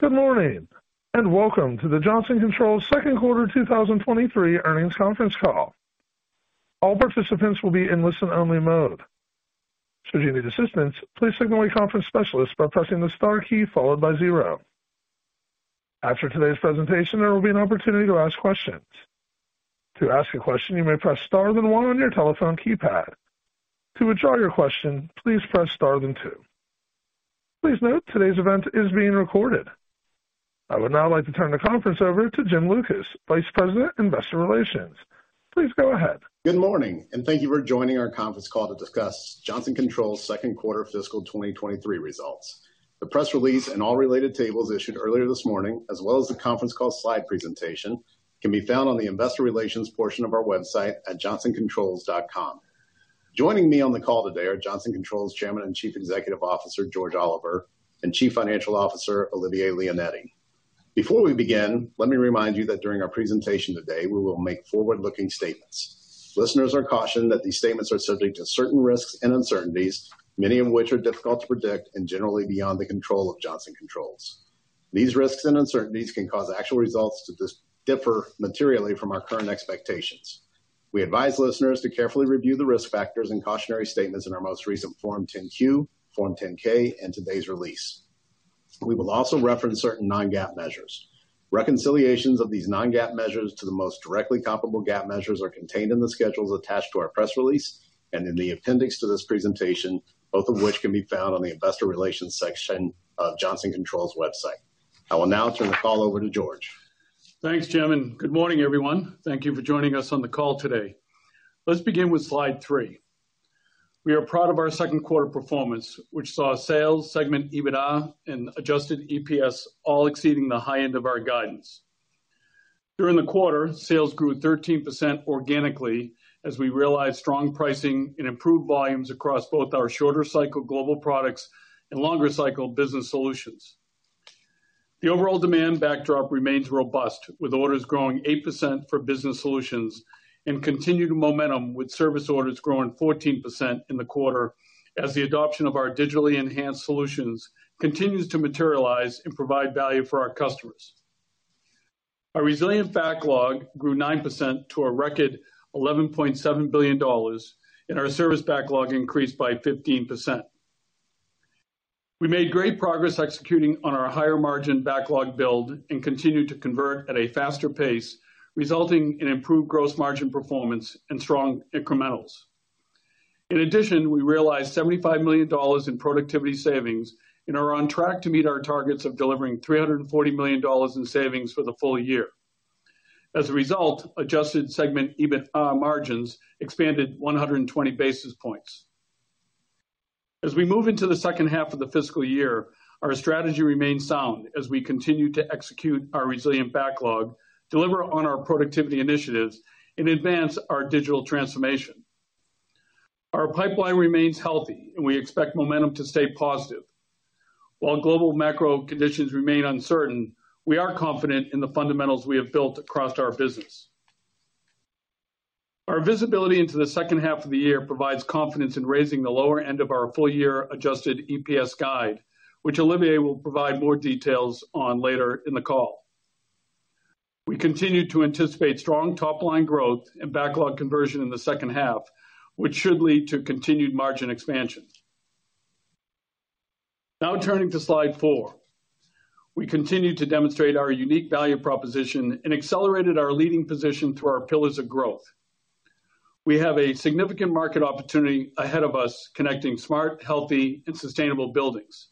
Good morning. Welcome to the Johnson Controls second quarter 2023 earnings conference call. All participants will be in listen-only mode. If you need assistance, please signal a conference specialist by pressing the star key followed by 0. After today's presentation, there will be an opportunity to ask questions. To ask a question, you may press Star then 1 on your telephone keypad. To withdraw your question, please press Star then 2. Please note today's event is being recorded. I would now like to turn the conference over to Jim Lucas, Vice President, Investor Relations. Please go ahead. Good morning. Thank you for joining our conference call to discuss Johnson Controls second quarter fiscal 2023 results. The press release and all related tables issued earlier this morning, as well as the conference call slide presentation, can be found on the investor relations portion of our website at johnsoncontrols.com. Joining me on the call today are Johnson Controls Chairman and Chief Executive Officer George Oliver and Chief Financial Officer Olivier Leonetti. Before we begin, let me remind you that during our presentation today, we will make forward-looking statements. Listeners are cautioned that these statements are subject to certain risks and uncertainties, many of which are difficult to predict and generally beyond the control of Johnson Controls. These risks and uncertainties can cause actual results to differ materially from our current expectations. We advise listeners to carefully review the risk factors and cautionary statements in our most recent Form 10-Q, Form 10-K, and today's release. We will also reference certain non-GAAP measures. Reconciliations of these non-GAAP measures to the most directly comparable GAAP measures are contained in the schedules attached to our press release and in the appendix to this presentation, both of which can be found on the investor relations section of Johnson Controls website. I will now turn the call over to George. Thanks, Jim. Good morning, everyone. Thank you for joining us on the call today. Let's begin with slide three. We are proud of our second quarter performance, which saw sales, segment EBITDA, and adjusted EPS all exceeding the high end of our guidance. During the quarter, sales grew 13% organically as we realized strong pricing and improved volumes across both our shorter cycle global products and longer cycle business solutions. The overall demand backdrop remains robust, with orders growing 8% for business solutions and continued momentum with service orders growing 14% in the quarter as the adoption of our digitally enhanced solutions continues to materialize and provide value for our customers. Our resilient backlog grew 9% to a record $11.7 billion, and our service backlog increased by 15%. We made great progress executing on our higher margin backlog build and continued to convert at a faster pace, resulting in improved gross margin performance and strong incrementals. In addition, we realized $75 million in productivity savings and are on track to meet our targets of delivering $340 million in savings for the full year. As a result, adjusted segment EBITDA margins expanded 120 basis points. As we move into the second half of the fiscal year, our strategy remains sound as we continue to execute our resilient backlog, deliver on our productivity initiatives, and advance our digital transformation. Our pipeline remains healthy, and we expect momentum to stay positive. While global macro conditions remain uncertain, we are confident in the fundamentals we have built across our business. Our visibility into the second half of the year provides confidence in raising the lower end of our full year adjusted EPS guide, which Olivier will provide more details on later in the call. We continue to anticipate strong top-line growth and backlog conversion in the second half, which should lead to continued margin expansion. Turning to slide 4. We continue to demonstrate our unique value proposition and accelerated our leading position through our pillars of growth. We have a significant market opportunity ahead of us connecting smart, healthy, and sustainable buildings.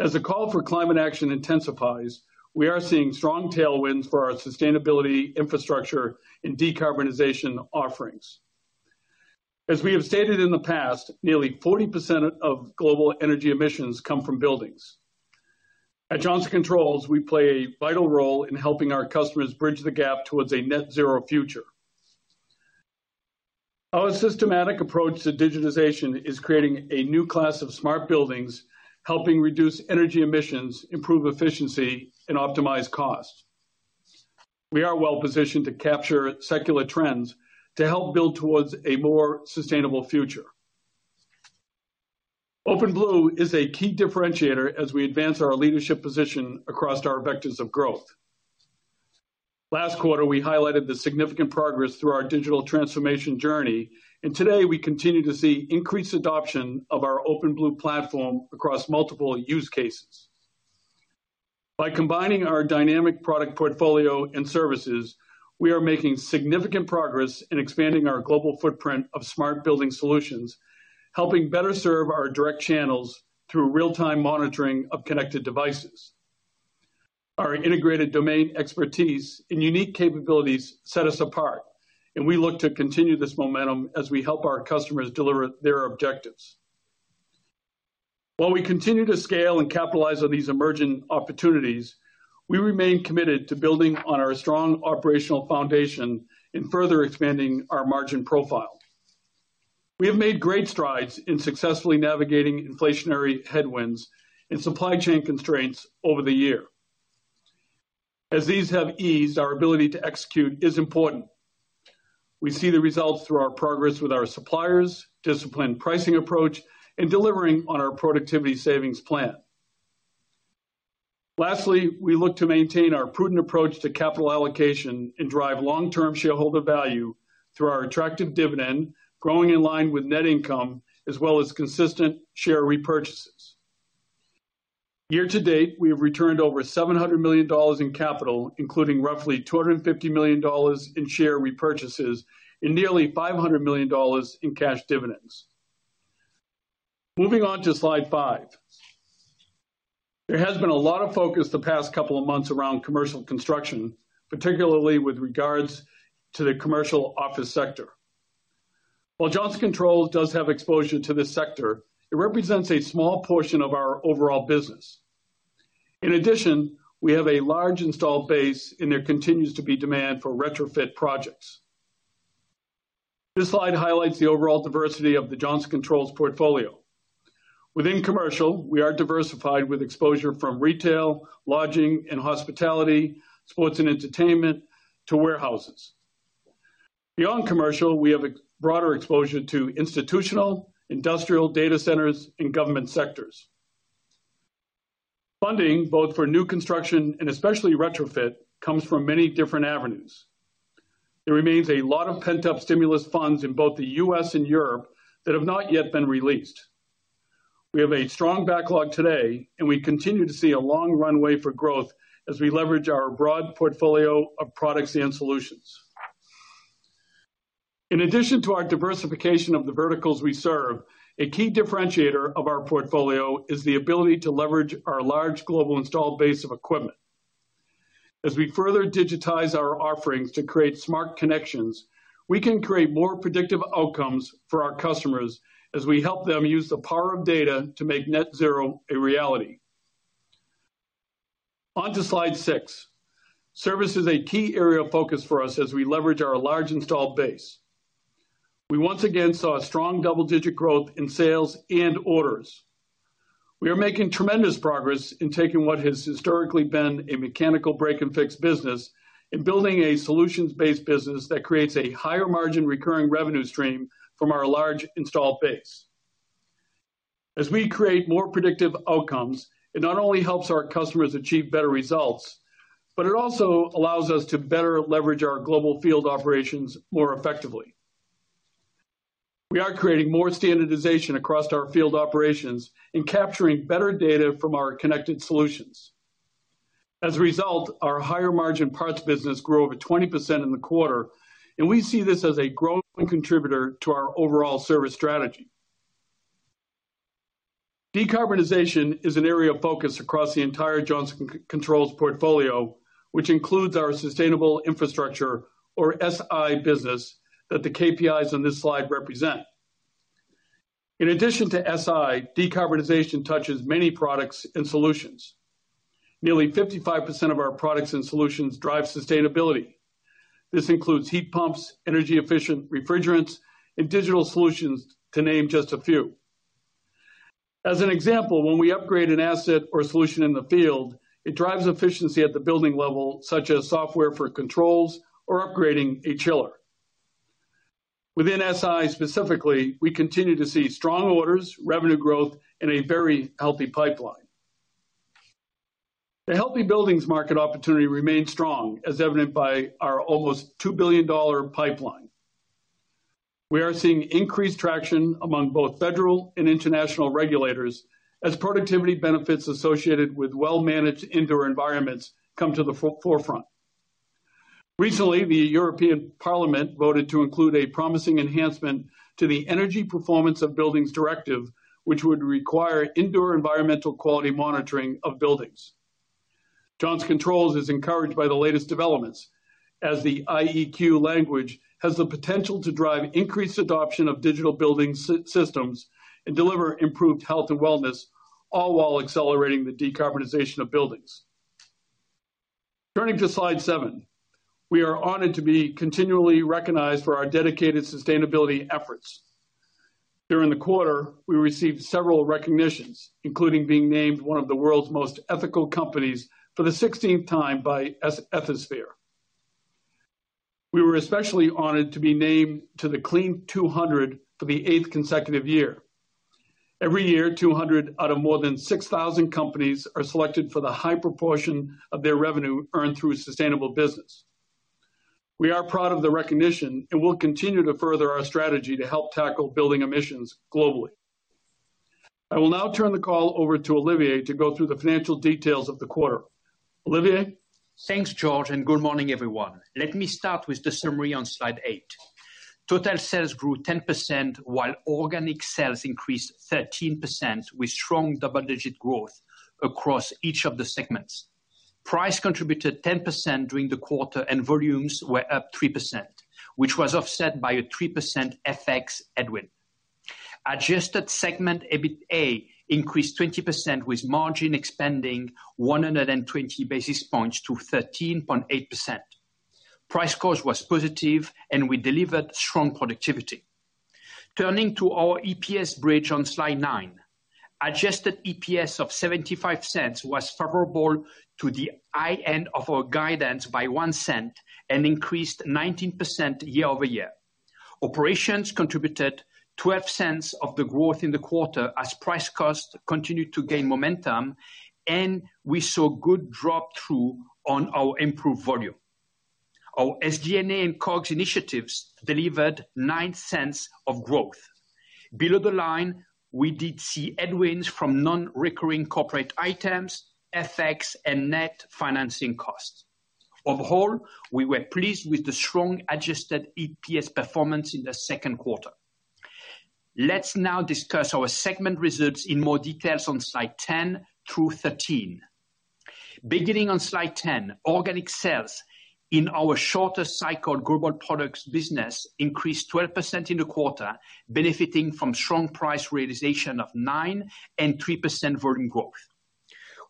As the call for climate action intensifies, we are seeing strong tailwinds for our sustainability infrastructure and decarbonization offerings. As we have stated in the past, nearly 40% of global energy emissions come from buildings. At Johnson Controls, we play a vital role in helping our customers bridge the gap towards a net zero future. Our systematic approach to digitization is creating a new class of smart buildings, helping reduce energy emissions, improve efficiency, and optimize costs. We are well-positioned to capture secular trends to help build towards a more sustainable future. OpenBlue is a key differentiator as we advance our leadership position across our vectors of growth. Last quarter, we highlighted the significant progress through our digital transformation journey, and today we continue to see increased adoption of our OpenBlue platform across multiple use cases. By combining our dynamic product portfolio and services, we are making significant progress in expanding our global footprint of smart building solutions, helping better serve our direct channels through real-time monitoring of connected devices. Our integrated domain expertise and unique capabilities set us apart, and we look to continue this momentum as we help our customers deliver their objectives. While we continue to scale and capitalize on these emerging opportunities, we remain committed to building on our strong operational foundation and further expanding our margin profile. We have made great strides in successfully navigating inflationary headwinds and supply chain constraints over the year. As these have eased, our ability to execute is important. We see the results through our progress with our suppliers, disciplined pricing approach, and delivering on our productivity savings plan. Lastly, we look to maintain our prudent approach to capital allocation and drive long-term shareholder value through our attractive dividend, growing in line with net income, as well as consistent share repurchases. Year to date, we have returned over $700 million in capital, including roughly $250 million in share repurchases and nearly $500 million in cash dividends. Moving on to slide 5. There has been a lot of focus the past couple of months around commercial construction, particularly with regards to the commercial office sector. While Johnson Controls does have exposure to this sector, it represents a small portion of our overall business. In addition, we have a large installed base, and there continues to be demand for retrofit projects. This slide highlights the overall diversity of the Johnson Controls portfolio. Within commercial, we are diversified with exposure from retail, lodging and hospitality, sports and entertainment to warehouses. Beyond commercial, we have a broader exposure to institutional, industrial data centers and government sectors. Funding, both for new construction and especially retrofit, comes from many different avenues. There remains a lot of pent-up stimulus funds in both the U.S. and Europe that have not yet been released. We have a strong backlog today. We continue to see a long runway for growth as we leverage our broad portfolio of products and solutions. In addition to our diversification of the verticals we serve, a key differentiator of our portfolio is the ability to leverage our large global installed base of equipment. As we further digitize our offerings to create smart connections, we can create more predictive outcomes for our customers as we help them use the power of data to make net zero a reality. On to slide 6. Service is a key area of focus for us as we leverage our large installed base. We once again saw a strong double-digit growth in sales and orders. We are making tremendous progress in taking what has historically been a mechanical break-and-fix business and building a solutions-based business that creates a higher margin recurring revenue stream from our large installed base. As we create more predictive outcomes, it not only helps our customers achieve better results, but it also allows us to better leverage our global field operations more effectively. We are creating more standardization across our field operations and capturing better data from our connected solutions. As a result, our higher margin parts business grew over 20% in the quarter, and we see this as a growing contributor to our overall service strategy. Decarbonization is an area of focus across the entire Johnson Controls portfolio, which includes our sustainable infrastructure, or SI business, that the KPIs on this slide represent. In addition to SI, decarbonization touches many products and solutions. Nearly 55% of our products and solutions drive sustainability. This includes heat pumps, energy-efficient refrigerants, and digital solutions, to name just a few. As an example, when we upgrade an asset or solution in the field, it drives efficiency at the building level, such as software for controls or upgrading a chiller. Within SI, specifically, we continue to see strong orders, revenue growth, and a very healthy pipeline. The healthy buildings market opportunity remains strong, as evident by our almost $2 billion pipeline. We are seeing increased traction among both federal and international regulators as productivity benefits associated with well-managed indoor environments come to the forefront. Recently, the European Parliament voted to include a promising enhancement to the Energy Performance of Buildings Directive, which would require indoor environmental quality monitoring of buildings. Johnson Controls is encouraged by the latest developments as the IEQ language has the potential to drive increased adoption of digital building systems and deliver improved health and wellness, all while accelerating the decarbonization of buildings. Turning to slide 7. We are honored to be continually recognized for our dedicated sustainability efforts. During the quarter, we received several recognitions, including being named one of the world's most ethical companies for the 16th time by Ethisphere. We were especially honored to be named to the Clean200 for the 8th consecutive year. Every year, 200 out of more than 6,000 companies are selected for the high proportion of their revenue earned through sustainable business. We are proud of the recognition and will continue to further our strategy to help tackle building emissions globally. I will now turn the call over to Olivier to go through the financial details of the quarter. Olivier? Thanks, George. Good morning, everyone. Let me start with the summary on slide 8. Total sales grew 10%, while organic sales increased 13% with strong double-digit growth across each of the segments. Price contributed 10% during the quarter and volumes were up 3%, which was offset by a 3% FX headwind. Adjusted segment EBITA increased 20%, with margin expanding 120 basis points to 13.8%. Price cost was positive and we delivered strong productivity. Turning to our EPS bridge on slide 9. Adjusted EPS of $0.75 was favorable to the high end of our guidance by $0.01 and increased 19% year-over-year. Operations contributed $0.12 of the growth in the quarter as price cost continued to gain momentum, and we saw good drop through on our improved volume. Our SDNA and COGS initiatives delivered $0.09 of growth. Below the line, we did see headwinds from non-recurring corporate items, FX and net financing costs. On the whole, we were pleased with the strong adjusted EPS performance in the second quarter. Let's now discuss our segment results in more details on slide 10 through 13. Beginning on slide 10, organic sales in our shorter cycle global products business increased 12% in the quarter, benefiting from strong price realization of 9% and 3% volume growth.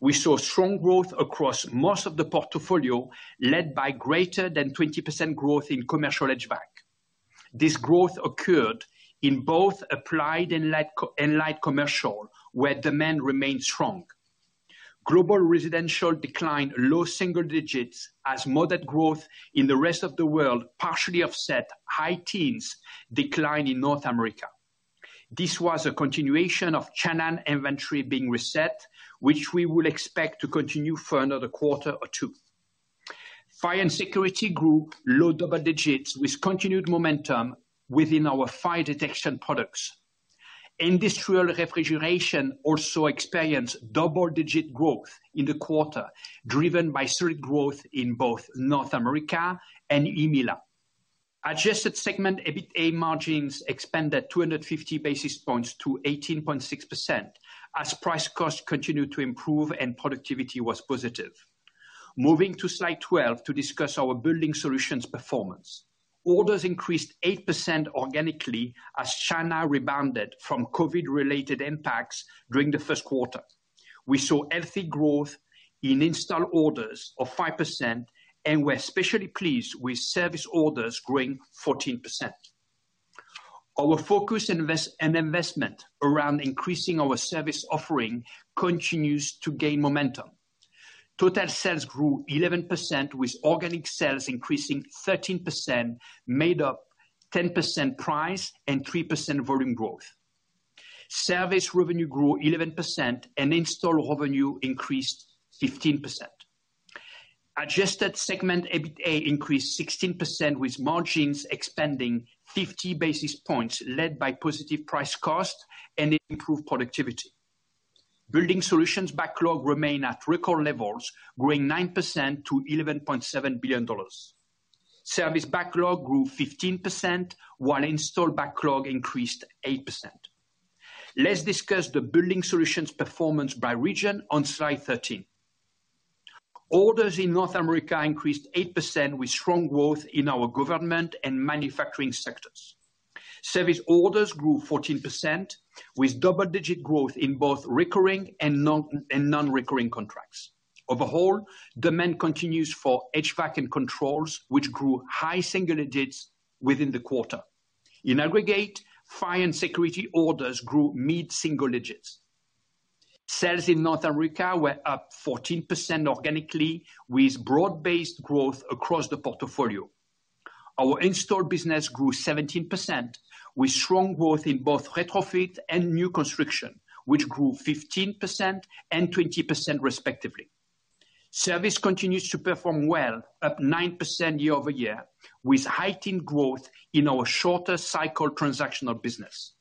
We saw strong growth across most of the portfolio, led by greater than 20% growth in commercial HVAC. This growth occurred in both applied and light commercial, where demand remained strong. Global residential decline, low single digits as moderate growth in the rest of the world partially offset high teens decline in North America. This was a continuation of China inventory being reset, which we will expect to continue for another quarter or two. Fire and Security grew low double digits with continued momentum within our fire detection products. Industrial refrigeration also experienced double-digit growth in the quarter, driven by solid growth in both North America and EMEALA. Adjusted segment EBITA margins expanded 250 basis points to 18.6% as price cost continued to improve and productivity was positive. Moving to slide 12 to discuss our building solutions performance. Orders increased 8% organically as China rebounded from COVID-related impacts during the first quarter. We saw healthy growth in install orders of 5%. We're especially pleased with service orders growing 14%. Our focus and investment around increasing our service offering continues to gain momentum. Total sales grew 11%, with organic sales increasing 13%, made up 10% price and 3% volume growth. Service revenue grew 11% and install revenue increased 15%. Adjusted segment EBITA increased 16% with margins expanding 50 basis points led by positive price cost and improved productivity. Building solutions backlog remain at record levels, growing 9% to $11.7 billion. Service backlog grew 15% while install backlog increased 8%. Let's discuss the building solutions performance by region on slide 13. Orders in North America increased 8% with strong growth in our government and manufacturing sectors. Service orders grew 14% with double-digit growth in both recurring and non-recurring contracts. On the whole, demand continues for HVAC and controls, which grew high single digits within the quarter. In aggregate, fire and security orders grew mid-single digits. Sales in North America were up 14% organically with broad-based growth across the portfolio. Our install business grew 17% with strong growth in both retrofit and new construction, which grew 15% and 20% respectively. Service continues to perform well, up 9% year-over-year, with heightened growth in our shorter cycle transactional business.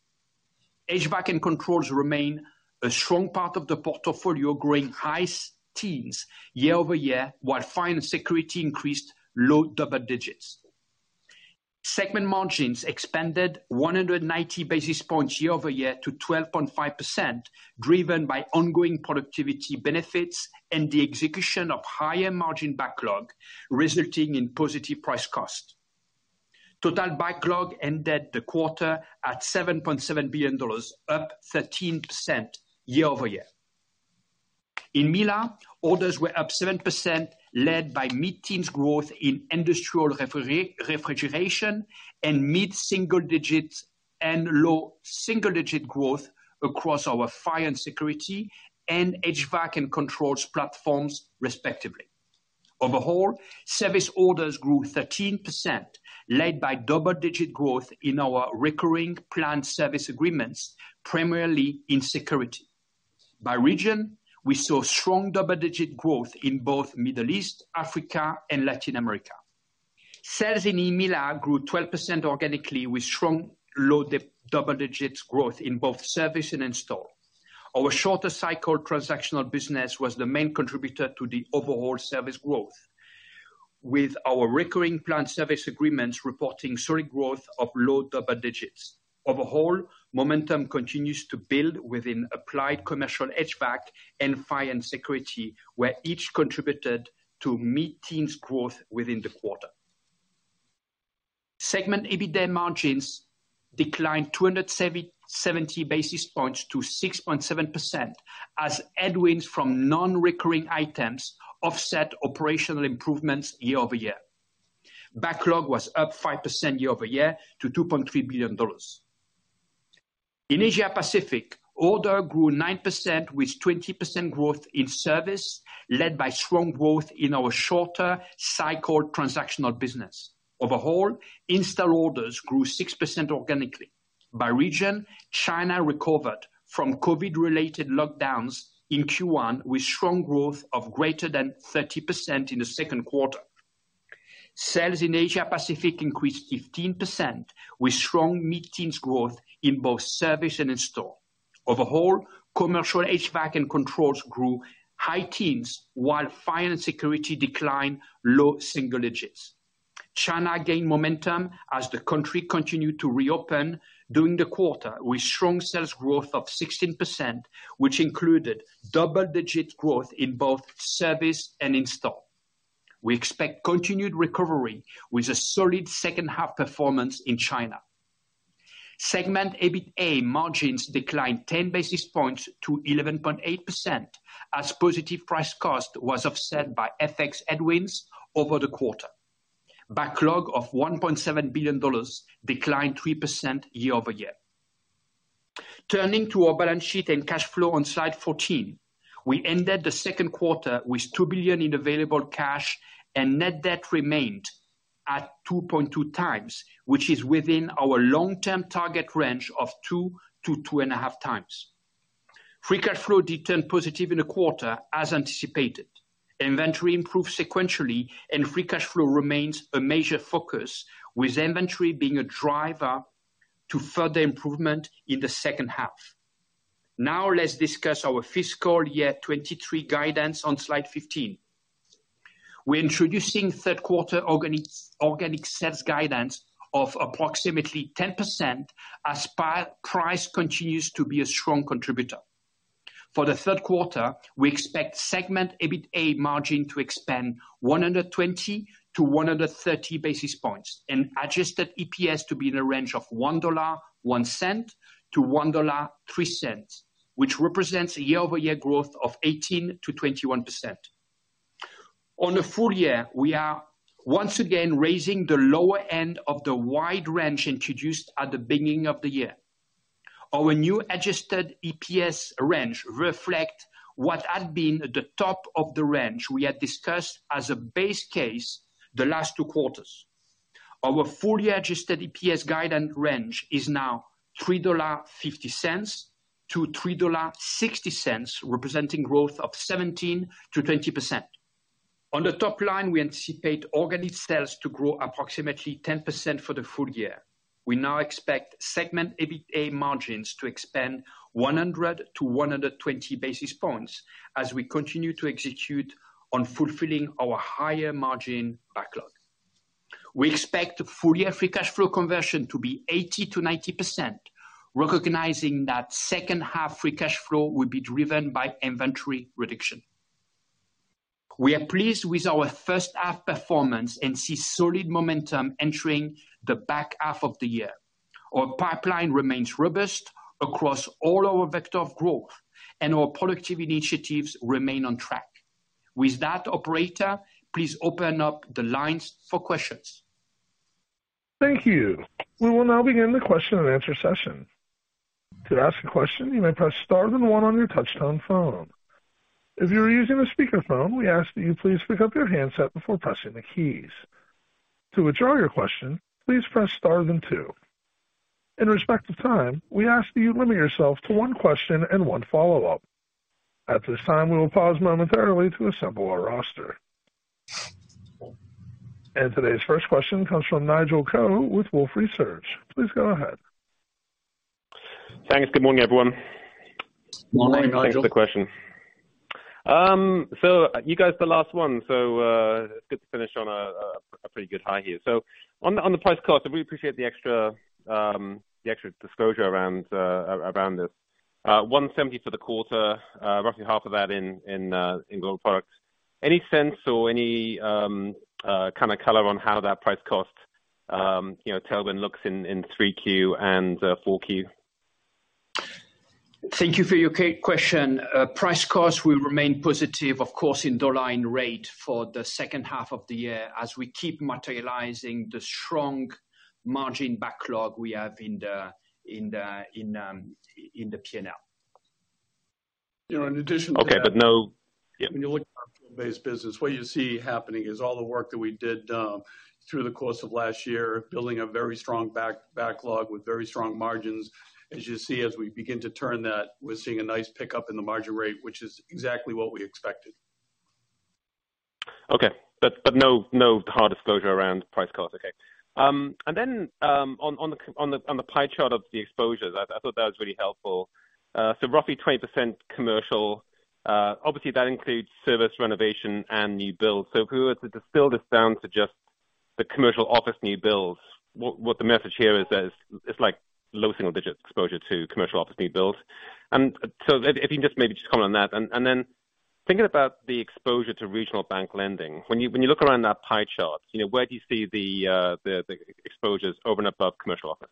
HVAC and controls remain a strong part of the portfolio, growing high teens year-over-year, while fire and security increased low double digits. Segment margins expanded 190 basis points year-over-year to 12.5%, driven by ongoing productivity benefits and the execution of higher margin backlog, resulting in positive price cost. Total backlog ended the quarter at $7.7 billion, up 13% year-over-year. In EMEIA, orders were up 7%, led by mid-teens growth in industrial refrigeration and mid-single digits and low single-digit growth across our fire and security and HVAC and controls platforms, respectively. On the whole, service orders grew 13%, led by double-digit growth in our recurring planned service agreements, primarily in security. By region, we saw strong double-digit growth in both Middle East, Africa and Latin America. Sales in EMEIA grew 12% organically with strong low double-digit growth in both service and install. Our shorter cycle transactional business was the main contributor to the overall service growth. With our recurring planned service agreements reporting solid growth of low double digits. On the whole, momentum continues to build within applied commercial HVAC and fire and security, where each contributed to mid-teens growth within the quarter. Segment EBITDA margins declined 270 basis points to 6.7% as headwinds from non-recurring items offset operational improvements year-over-year. Backlog was up 5% year-over-year to $2.3 billion. In Asia Pacific, order grew 9% with 20% growth in service led by strong growth in our shorter cycle transactional business. Install orders grew 6% organically. By region, China recovered from COVID-related lockdowns in Q1 with strong growth of greater than 30% in the second quarter. Sales in Asia Pacific increased 15% with strong mid-teens growth in both service and install. Commercial HVAC and controls grew high teens while fire and security declined low single digits. China gained momentum as the country continued to reopen during the quarter with strong sales growth of 16%, which included double-digit growth in both service and install. We expect continued recovery with a solid second half performance in China. Segment EBITA margins declined 10 basis points to 11.8% as positive price cost was offset by FX headwinds over the quarter. Backlog of $1.7 billion declined 3% year-over-year. Turning to our balance sheet and cash flow on slide 14. We ended the second quarter with $2 billion in available cash and net debt remained at 2.2 times, which is within our long-term target range of 2 to 2.5 times. Free cash flow turned positive in the quarter as anticipated. Inventory improved sequentially and free cash flow remains a major focus, with inventory being a driver to further improvement in the second half. Let's discuss our fiscal year 2023 guidance on slide 15. We're introducing third quarter organic sales guidance of approximately 10% as price continues to be a strong contributor. For the third quarter, we expect segment EBITA margin to expand 120 to 130 basis points and adjusted EPS to be in a range of $1.01 to $1.03, which represents a year-over-year growth of 18%-21%. On the full year, we are once again raising the lower end of the wide range introduced at the beginning of the year. Our new adjusted EPS range reflect what had been the top of the range we had discussed as a base case the last two quarters. Our full year adjusted EPS guidance range is now $3.50-$3.60, representing growth of 17%-20%. On the top line, we anticipate organic sales to grow approximately 10% for the full year. We now expect segment EBITA margins to expand 100-120 basis points as we continue to execute on fulfilling our higher margin backlog. We expect full year free cash flow conversion to be 80%-90%, recognizing that second half free cash flow will be driven by inventory reduction. We are pleased with our first half performance and see solid momentum entering the back half of the year. Our pipeline remains robust across all our vector of growth and our productivity initiatives remain on track. With that, operator, please open up the lines for questions. Thank you. We will now begin the question and answer session. To ask a question, you may press star then 1 on your touchtone phone. If you are using a speaker phone, we ask that you please pick up your handset before pressing the keys. To withdraw your question, please press star then 2. In respect to time, we ask that you limit yourself to 1 question and 1 follow-up. At this time, we will pause momentarily to assemble our roster. Today's first question comes from Nigel Coe with Wolfe Research. Please go ahead. Thanks. Good morning, everyone. Good morning, Nigel. Thanks for the question. You guys are the last one, so it's good to finish on a pretty good high here. On the price cost, I really appreciate the extra, the extra disclosure around this. $170 for the quarter, roughly half of that in global products. Any sense or any kind of color on how that price cost, you know, tailwind looks in 3Q and 4Q? Thank you for your question. Price cost will remain positive, of course, in dollar and rate for the second half of the year as we keep materializing the strong margin backlog we have in the P&L. You know, in addition to that. Okay, no. Yep. When you look at our field-based business, what you see happening is all the work that we did, through the course of last year, building a very strong backlog with very strong margins. As you see, as we begin to turn that, we're seeing a nice pickup in the margin rate, which is exactly what we expected. No, no hard disclosure around price cost. Okay. On the pie chart of the exposures, I thought that was really helpful. Roughly 20 commercial, obviously that includes service renovation and new builds. If we were to distill this down to just the commercial office new builds, what the message here is that it's like low single-digits exposure to commercial office new builds. If you just maybe just comment on that. Thinking about the exposure to regional bank lending, when you look around that pie chart, you know, where do you see the exposures over and above commercial office?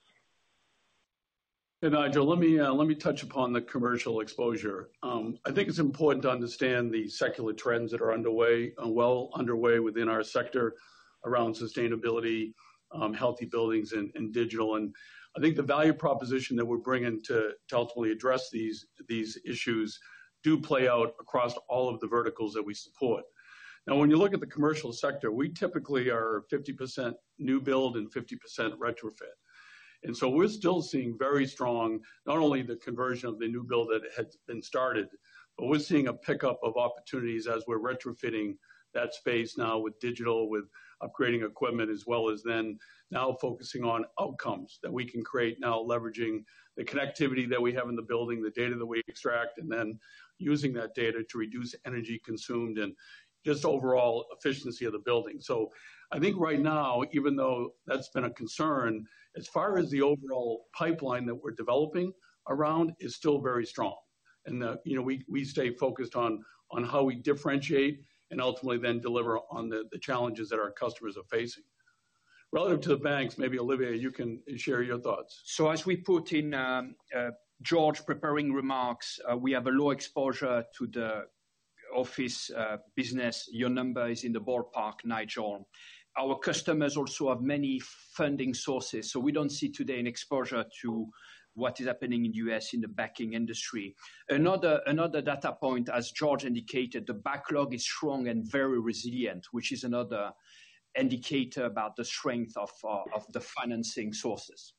Nigel, let me touch upon the commercial exposure. I think it's important to understand the secular trends that are underway, well underway within our sector around sustainability, healthy buildings and digital. I think the value proposition that we're bringing to ultimately address these issues do play out across all of the verticals that we support. Now, when you look at the commercial sector, we typically are 50% new build and 50% retrofit. We're still seeing very strong, not only the conversion of the new build that had been started, but we're seeing a pickup of opportunities as we're retrofitting that space now with digital, with upgrading equipment, as well as then now focusing on outcomes that we can create now leveraging the connectivity that we have in the building, the data that we extract, and then using that data to reduce energy consumed and just overall efficiency of the building. I think right now, even though that's been a concern, as far as the overall pipeline that we're developing around is still very strong. You know, we stay focused on how we differentiate and ultimately then deliver on the challenges that our customers are facing. Relative to the banks, maybe Olivier, you can share your thoughts. As we put in, George preparing remarks, we have a low exposure to the office business. Your number is in the ballpark, Nigel. Our customers also have many funding sources, so we don't see today an exposure to what is happening in U.S. in the banking industry. Another data point, as George indicated, the backlog is strong and very resilient, which is another indicator about the strength of the financing sources.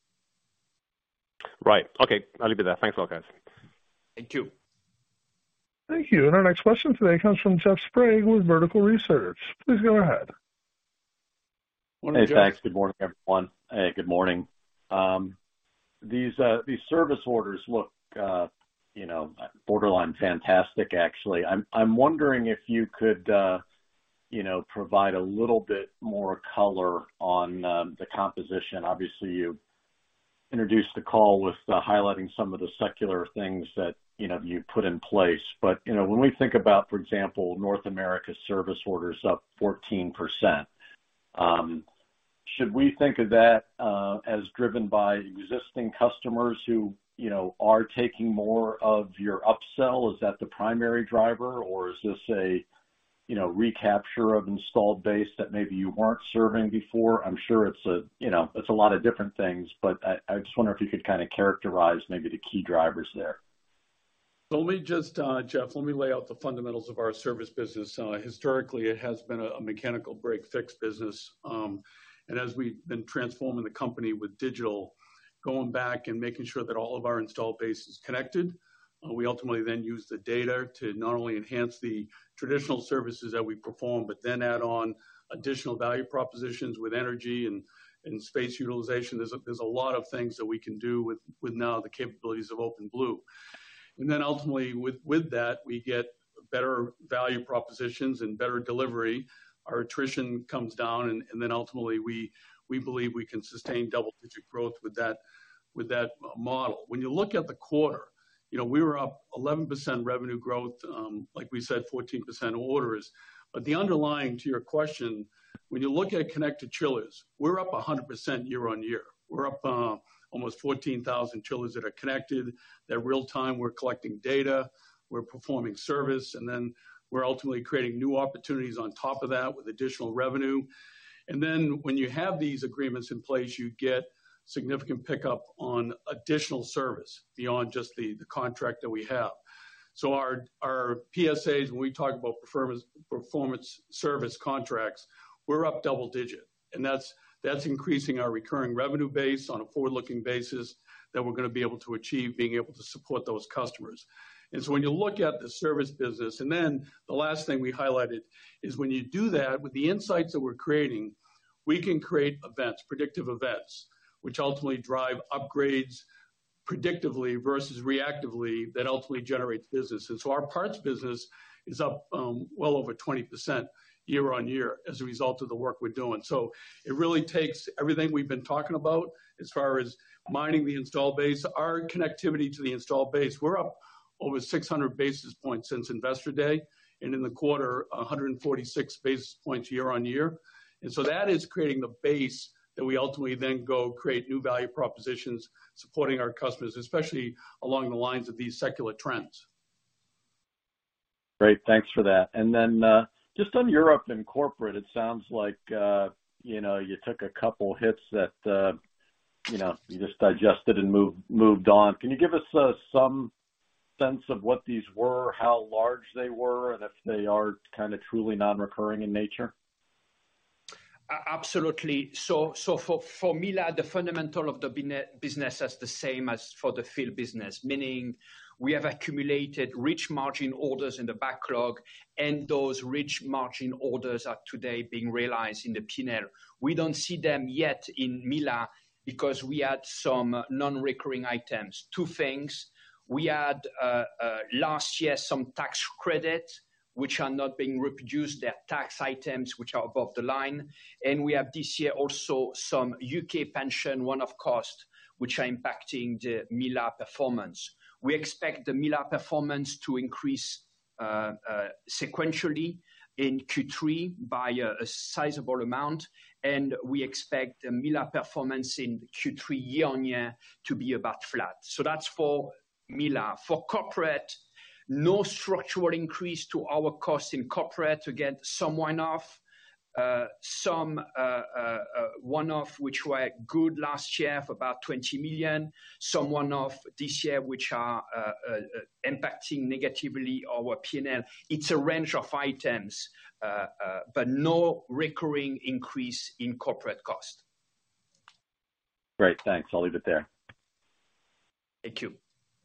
Right. Okay. I'll leave it there. Thanks a lot, guys. Thank you. Thank you. Our next question today comes from Jeff Sprague with Vertical Research. Please go ahead. Hey, thanks. Good morning, everyone. Good morning. These service orders look, you know, borderline fantastic, actually. I'm wondering if you could, you know, provide a little bit more color on the composition. Obviously, you introduced the call with highlighting some of the secular things that, you know, you put in place. You know, when we think about, for example, North America service orders up 14%, should we think of that as driven by existing customers who, you know, are taking more of your upsell? Is that the primary driver or is this a, you know, recapture of installed base that maybe you weren't serving before? I'm sure it's a, you know, it's a lot of different things, but I just wonder if you could kinda characterize maybe the key drivers there. Let me just, Jeff, let me lay out the fundamentals of our service business. Historically, it has been a mechanical break fix business. As we've been transforming the company with digital, going back and making sure that all of our installed base is connected, we ultimately then use the data to not only enhance the traditional services that we perform, but then add on additional value propositions with energy and space utilization. There's a lot of things that we can do with now the capabilities of OpenBlue. Ultimately with that, we get better value propositions and better delivery. Our attrition comes down, and then ultimately we believe we can sustain double-digit growth with that model. When you look at the quarter, you know, we were up 11% revenue growth, like we said, 14% orders. The underlying to your question, when you look at connected chillers, we're up 100% year-on-year. We're up almost 14,000 chillers that are connected. They're real-time. We're collecting data, we're performing service, and then we're ultimately creating new opportunities on top of that with additional revenue. When you have these agreements in place, you get significant pickup on additional service beyond just the contract that we have. Our PSAs, when we talk about performance service contracts, we're up double digit. That's increasing our recurring revenue base on a forward-looking basis that we're going to be able to achieve being able to support those customers. When you look at the service business, and then the last thing we highlighted is when you do that, with the insights that we're creating, we can create events, predictive events, which ultimately drive upgrades predictively versus reactively that ultimately generates business. Our parts business is up, well over 20% year-over-year as a result of the work we're doing. So it really takes everything we've been talking about as far as mining the install base. Our connectivity to the install base, we're up over 600 basis points since Investor Day, and in the quarter, 146 basis points year-over-year. That is creating the base that we ultimately then go create new value propositions supporting our customers, especially along the lines of these secular trends. Great. Thanks for that. Then, just on Europe and corporate, it sounds like, you know, you took a couple hits that, you know, you just digested and moved on. Can you give us, some sense of what these were, how large they were, and if they are kinda truly non-recurring in nature? Absolutely. For EMEALA, the fundamental of the business is the same as for the field business, meaning we have accumulated rich margin orders in the backlog, and those rich margin orders are today being realized in the P&L. We don't see them yet in EMEALA because we had some non-recurring items. Two things. We had last year, some tax credit which are not being reproduced. They are tax items which are above the line. We have this year also some UK pension one-off cost, which are impacting the EMEALA performance. We expect the EMEALA performance to increase sequentially in Q3 by a sizable amount, and we expect the EMEALA performance in Q3 year-on-year to be about flat. That's for EMEALA. For corporate, no structural increase to our cost in corporate. Again, some one-off, some one-off which were good last year of about $20 million. Some one-off this year, which are impacting negatively our P&L. It's a range of items, but no recurring increase in corporate cost. Great. Thanks. I'll leave it there. Thank you.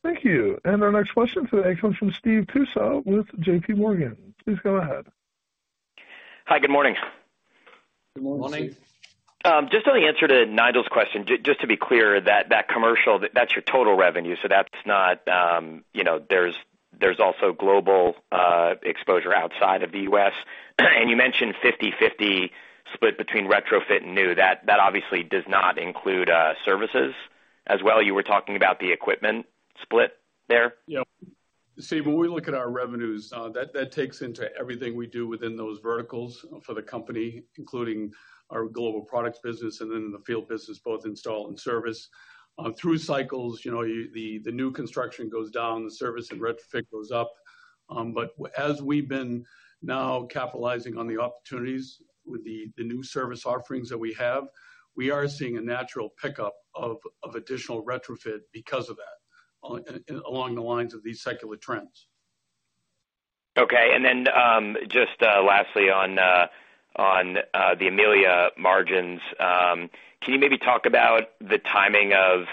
Thank you. Our next question for today comes from Steve Tusa with JP Morgan. Please go ahead. Hi, good morning. Good morning. Morning. Just on the answer to Nigel's question. Just to be clear that commercial, that's your total revenue, so that's not, you know, there's also global exposure outside of the US. You mentioned 50/50 split between retrofit and new. That obviously does not include services as well. You were talking about the equipment split there. Yeah. Steve, when we look at our revenues, that takes into everything we do within those verticals for the company, including our global products business and then the field business, both install and service. Through cycles, you know, you, the new construction goes down, the service and retrofit goes up. As we've been now capitalizing on the opportunities with the new service offerings that we have, we are seeing a natural pickup of additional retrofit because of that, along the lines of these secular trends. Okay. Just, lastly on the EMEALA margins. Can you maybe talk about the timing of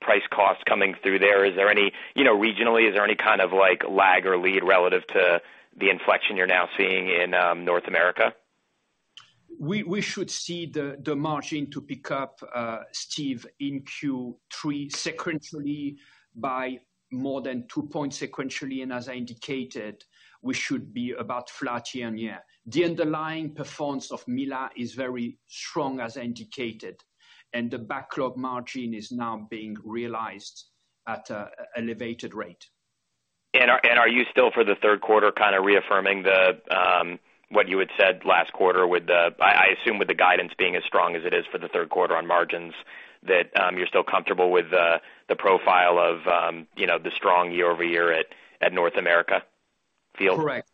price cost coming through there? Is there any, you know, regionally, is there any kind of, like, lag or lead relative to the inflection you're now seeing in North America? We should see the margin to pick up, Steve, in Q3 sequentially by more than 2 points sequentially. As I indicated, we should be about flat year-on-year. The underlying performance of EMEALA is very strong, as indicated, and the backlog margin is now being realized at a elevated rate. Are you still for the third quarter kinda reaffirming the what you had said last quarter, I assume with the guidance being as strong as it is for the third quarter on margins, that you're still comfortable with the profile of, you know, the strong year-over-year at North America field? Correct.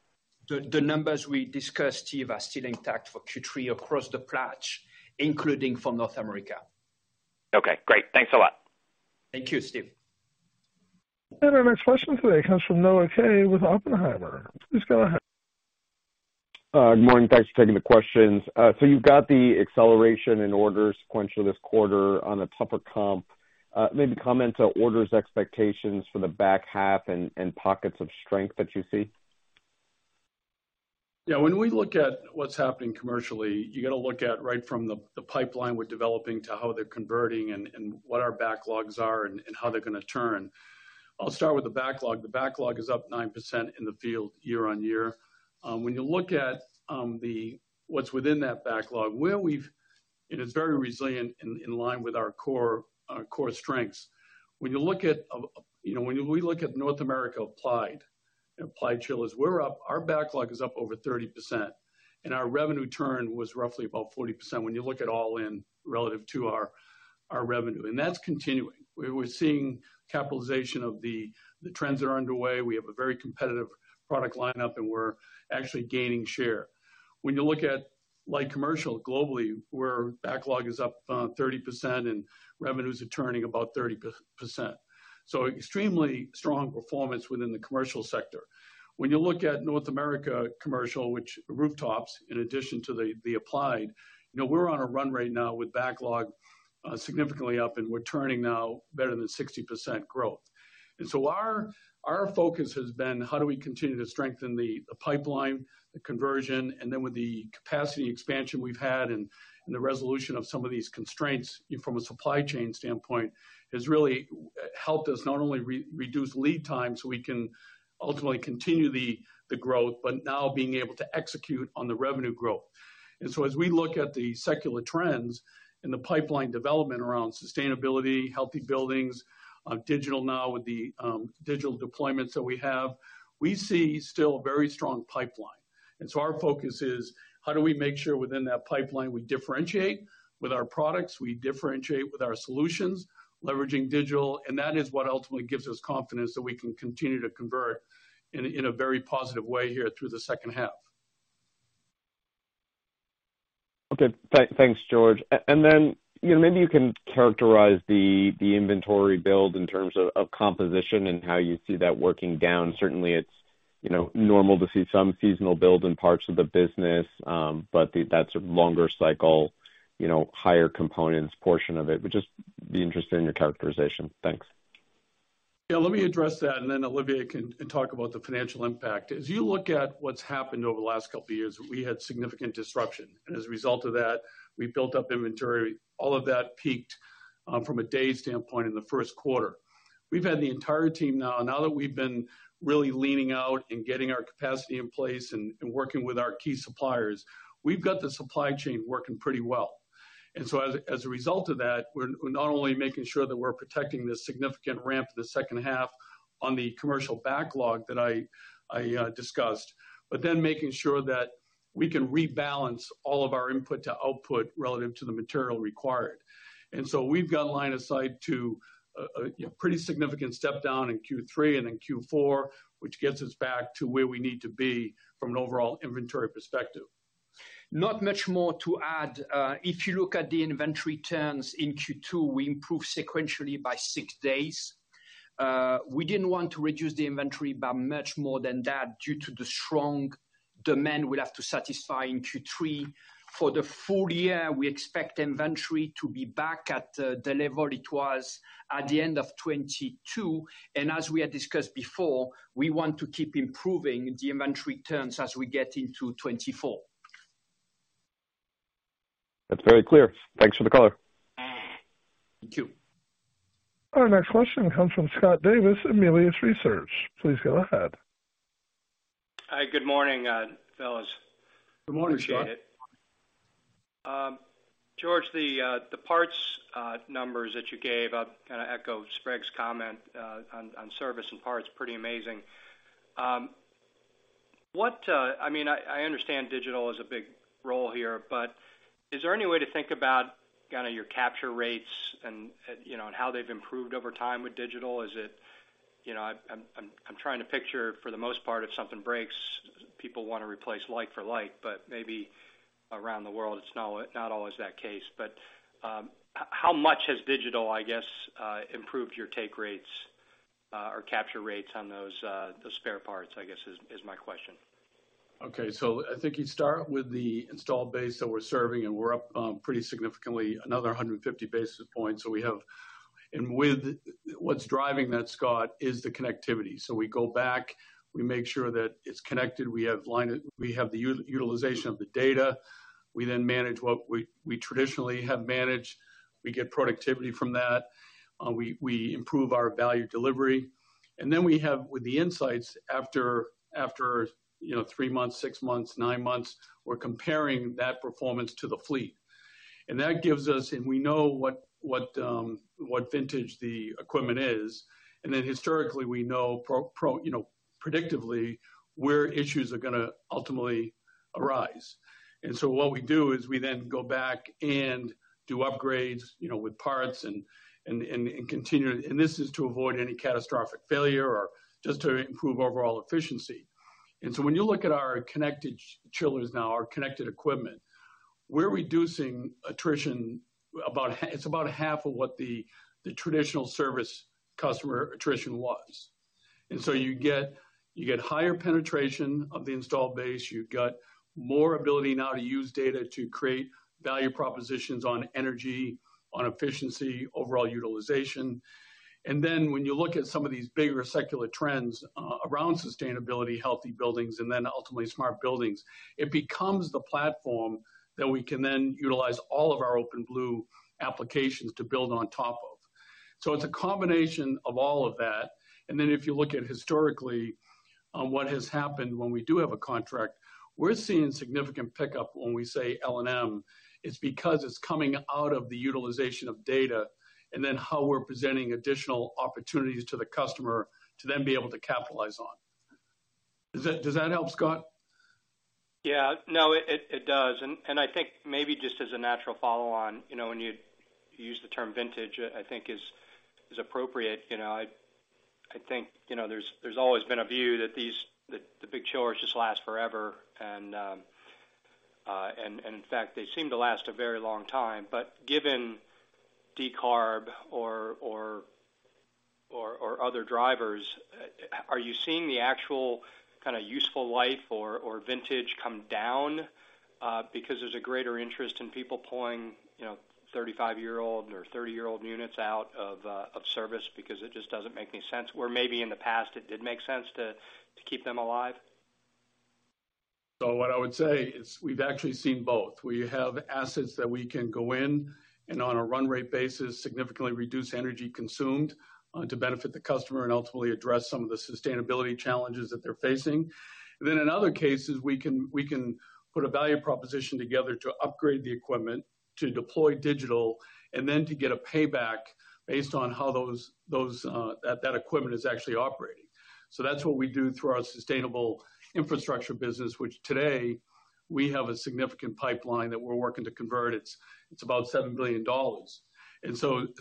The numbers we discussed, Steve, are still intact for Q3 across the patch, including for North America. Okay, great. Thanks a lot. Thank you, Steve. Our next question today comes from Noah Kaye with Oppenheimer. Please go ahead. Good morning. Thanks for taking the questions. You've got the acceleration in orders sequential this quarter on a tougher comp. Maybe comment on orders expectations for the back half and pockets of strength that you see? Yeah. When we look at what's happening commercially, you gotta look at right from the pipeline we're developing to how they're converting and what our backlogs are and how they're going to turn. I'll start with the backlog. The backlog is up 9% in the field year-on-year. When you look at what's within that backlog. It's very resilient in line with our core strengths. When you look at, you know, when we look at North America applied chillers, we're up, our backlog is up over 30%, and our revenue turn was roughly about 40% when you look at all in relative to our revenue, and that's continuing. We're seeing capitalization of the trends that are underway. We have a very competitive product lineup, and we're actually gaining share. When you look at light commercial globally, where backlog is up, 30% and revenues are turning about 30%. Extremely strong performance within the commercial sector. When you look at North America commercial, which rooftops in addition to the applied, you know, we're on a run right now with backlog significantly up and we're turning now better than 60% growth. Our focus has been how do we continue to strengthen the pipeline, the conversion, and then with the capacity expansion we've had and the resolution of some of these constraints from a supply chain standpoint, has really helped us not only reduce lead times so we can ultimately continue the growth, but now being able to execute on the revenue growth. As we look at the secular trends and the pipeline development around sustainability, healthy buildings, digital now with the digital deployments that we have, we see still a very strong pipeline. Our focus is how do we make sure within that pipeline we differentiate with our products, we differentiate with our solutions, leveraging digital, and that is what ultimately gives us confidence that we can continue to convert in a very positive way here through the second half. Okay. Thanks, George. Then, you know, maybe you can characterize the inventory build in terms of composition and how you see that working down. Certainly it's, you know, normal to see some seasonal build in parts of the business, that's a longer cycle, you know, higher components portion of it. Just be interested in your characterization. Thanks. Yeah, let me address that, and then Olivier can talk about the financial impact. As you look at what's happened over the last couple of years, we had significant disruption. As a result of that, we built up inventory. All of that peaked from a day standpoint in the first quarter. We've had the entire team now. Now that we've been really leaning out and getting our capacity in place and working with our key suppliers, we've got the supply chain working pretty well. As a result of that, we're not only making sure that we're protecting this significant ramp the second half on the commercial backlog that I discussed, but then making sure that we can rebalance all of our input to output relative to the material required. We've got line of sight to, you know, pretty significant step down in Q3 and in Q4, which gets us back to where we need to be from an overall inventory perspective. Not much more to add. If you look at the inventory turns in Q2, we improved sequentially by 6 days. We didn't want to reduce the inventory by much more than that due to the strong demand we'll have to satisfy in Q3. For the full year, we expect inventory to be back at the level it was at the end of 2022. As we had discussed before, we want to keep improving the inventory turns as we get into 2024. That's very clear. Thanks for the color. Thank you. Our next question comes from Scott Davis, Melius Research. Please go ahead. Hi, good morning, fellas. Good morning, Scott. Appreciate it. George, the parts numbers that you gave, I'll kinda echo Sprague's comment on service and parts, pretty amazing. What I mean, I understand digital is a big role here, but is there any way to think about kinda your capture rates and, you know, and how they've improved over time with digital? Is it, you know, I'm, I'm trying to picture for the most part, if something breaks, people want to replace like for like, but maybe around the world it's not always that case. But how much has digital, I guess, improved your take rates or capture rates on those spare parts, I guess, is my question. Okay. I think you start with the installed base that we're serving, and we're up pretty significantly, another 150 basis points. What's driving that, Scott, is the connectivity. We go back, we make sure that it's connected. We have line of we have the utilization of the data. We then manage what we traditionally have managed. We get productivity from that. We improve our value delivery. We have with the insights after, you know, 3 months, 6 months, 9 months, we're comparing that performance to the fleet. That gives us, we know what vintage the equipment is. Historically, we know, you know, predictively where issues are going to ultimately arise. What we do is we then go back and do upgrades, you know, with parts and continue. This is to avoid any catastrophic failure or just to improve overall efficiency. When you look at our connected chillers now, our connected equipment, we're reducing attrition about It's about half of what the traditional service customer attrition was. You get higher penetration of the installed base. You've got more ability now to use data to create value propositions on energy, on efficiency, overall utilization. When you look at some of these bigger secular trends around sustainability, healthy buildings, and then ultimately smart buildings, it becomes the platform that we can then utilize all of our OpenBlue applications to build on top of. It's a combination of all of that. If you look at historically, what has happened when we do have a contract, we're seeing significant pickup when we say LNM. It's because it's coming out of the utilization of data and then how we're presenting additional opportunities to the customer to then be able to capitalize on. Does that help, Scott? Yeah. No, it does. I think maybe just as a natural follow on, you know, when you use the term vintage, I think is appropriate. You know, I think, you know, there's always been a view that these that the big chillers just last forever and in fact, they seem to last a very long time. Given decarb or other drivers, are you seeing the actual kinda useful life or vintage come down because there's a greater interest in people pulling, you know, 35-year-old or 30-year-old units out of service because it just doesn't make any sense? Where maybe in the past it did make sense to keep them alive. What I would say is we've actually seen both. We have assets that we can go in and on a run rate basis, significantly reduce energy consumed, to benefit the customer and ultimately address some of the sustainability challenges that they're facing. In other cases, we can put a value proposition together to upgrade the equipment, to deploy digital, and then to get a payback based on how those, that equipment is actually operating. That's what we do through our sustainable infrastructure business, which today we have a significant pipeline that we're working to convert. It's about $7 billion.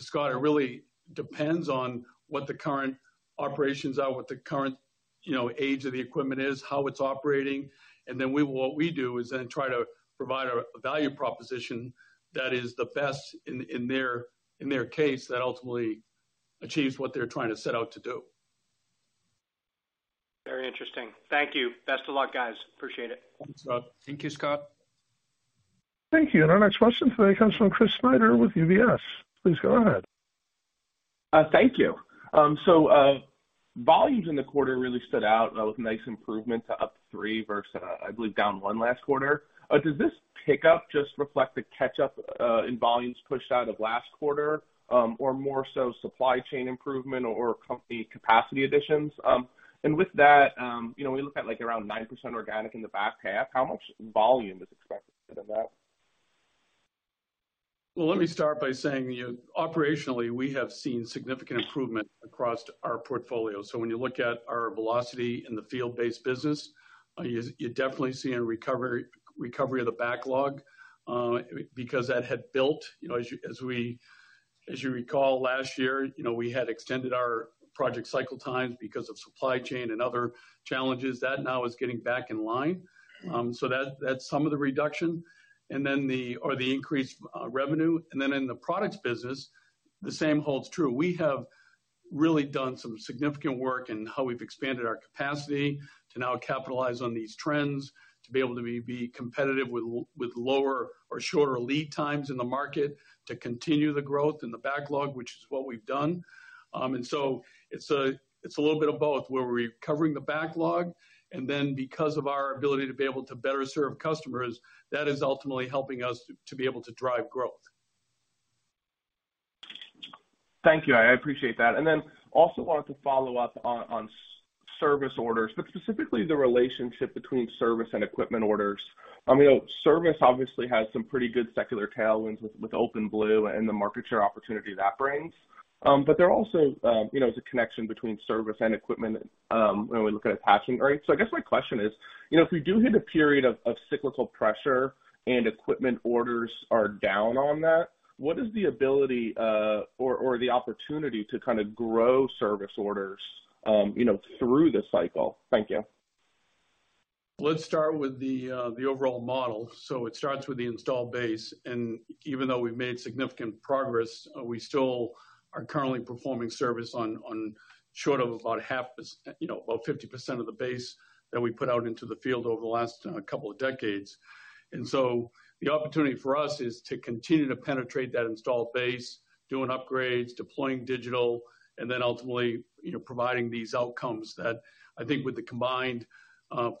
Scott, it really depends on what the current operations are, what the current, you know, age of the equipment is, how it's operating. What we do is then try to provide a value proposition that is the best in their case that ultimately achieves what they're trying to set out to do. Very interesting. Thank you. Best of luck, guys. Appreciate it. Thanks, Scott. Thank you, Scott. Thank you. Our next question today comes from Chris Snyder with UBS. Please go ahead. Thank you. Volumes in the quarter really stood out with nice improvement to up 3% versus, I believe, down 1% last quarter. Does this pick up just reflect the catch up in volumes pushed out of last quarter, or more so supply chain improvement or company capacity additions? With that, you know, we look at like around 9% organic in the back half. How much volume is expected in that? Let me start by saying, you know, operationally, we have seen significant improvement across our portfolio. When you look at our velocity in the field-based business, you definitely see a recovery of the backlog, because that had built. You know, as you recall last year, you know, we had extended our project cycle times because of supply chain and other challenges. That now is getting back in line. That's some of the reduction. The increased revenue. In the products business, the same holds true. We have really done some significant work in how we've expanded our capacity to now capitalize on these trends, to be able to be competitive with lower or shorter lead times in the market to continue the growth in the backlog, which is what we've done. It's a little bit of both where we're recovering the backlog, and then because of our ability to be able to better serve customers, that is ultimately helping us to be able to drive growth. Thank you. I appreciate that. Also wanted to follow up on service orders, specifically the relationship between service and equipment orders. You know, service obviously has some pretty good secular tailwinds with OpenBlue and the market share opportunity that brings. There are also, you know, the connection between service and equipment when we look at attaching rates. I guess my question is, you know, if we do hit a period of cyclical pressure and equipment orders are down on that, what is the ability or the opportunity to kind of grow service orders, you know, through the cycle? Thank you. Let's start with the overall model. It starts with the install base. Even though we've made significant progress, we still are currently performing service on short of about half the you know, about 50% of the base that we put out into the field over the last 2 decades. The opportunity for us is to continue to penetrate that installed base, doing upgrades, deploying digital, ultimately, you know, providing these outcomes that I think with the combined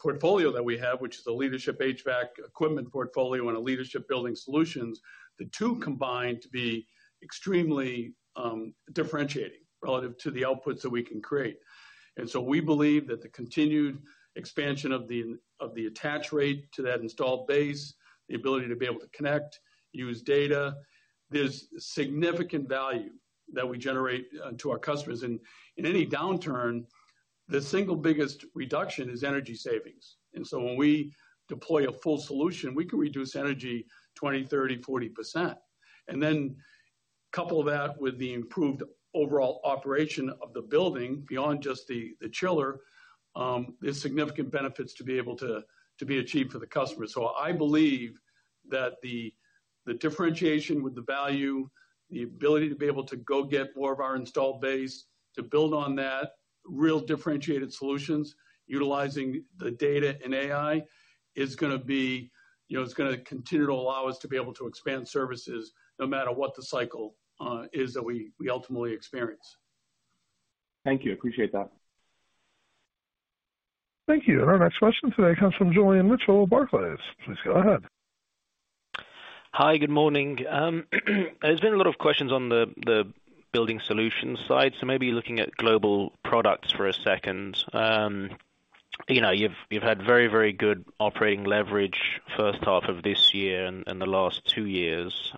portfolio that we have, which is a leadership HVAC equipment portfolio and a leadership building solutions, the 2 combine to be extremely differentiating relative to the outputs that we can create. We believe that the continued expansion of the attach rate to that installed base, the ability to be able to connect, use data, there's significant value that we generate to our customers. In any downturn, the single biggest reduction is energy savings. When we deploy a full solution, we can reduce energy 20%, 30%, 40%. Then couple that with the improved overall operation of the building beyond just the chiller, there's significant benefits to be able to be achieved for the customer. I believe that the differentiation with the value, the ability to be able to go get more of our installed base to build on that real differentiated solutions, utilizing the data and AI is going to be, you know, is going to continue to allow us to be able to expand services no matter what the cycle is that we ultimately experience. Thank you. I appreciate that. Thank you. Our next question today comes from Julian Mitchell of Barclays. Please go ahead. Hi, good morning. There's been a lot of questions on the building solutions side, so maybe looking at Global Products for a second. You know, you've had very, very good operating leverage first half of this year and the last two years.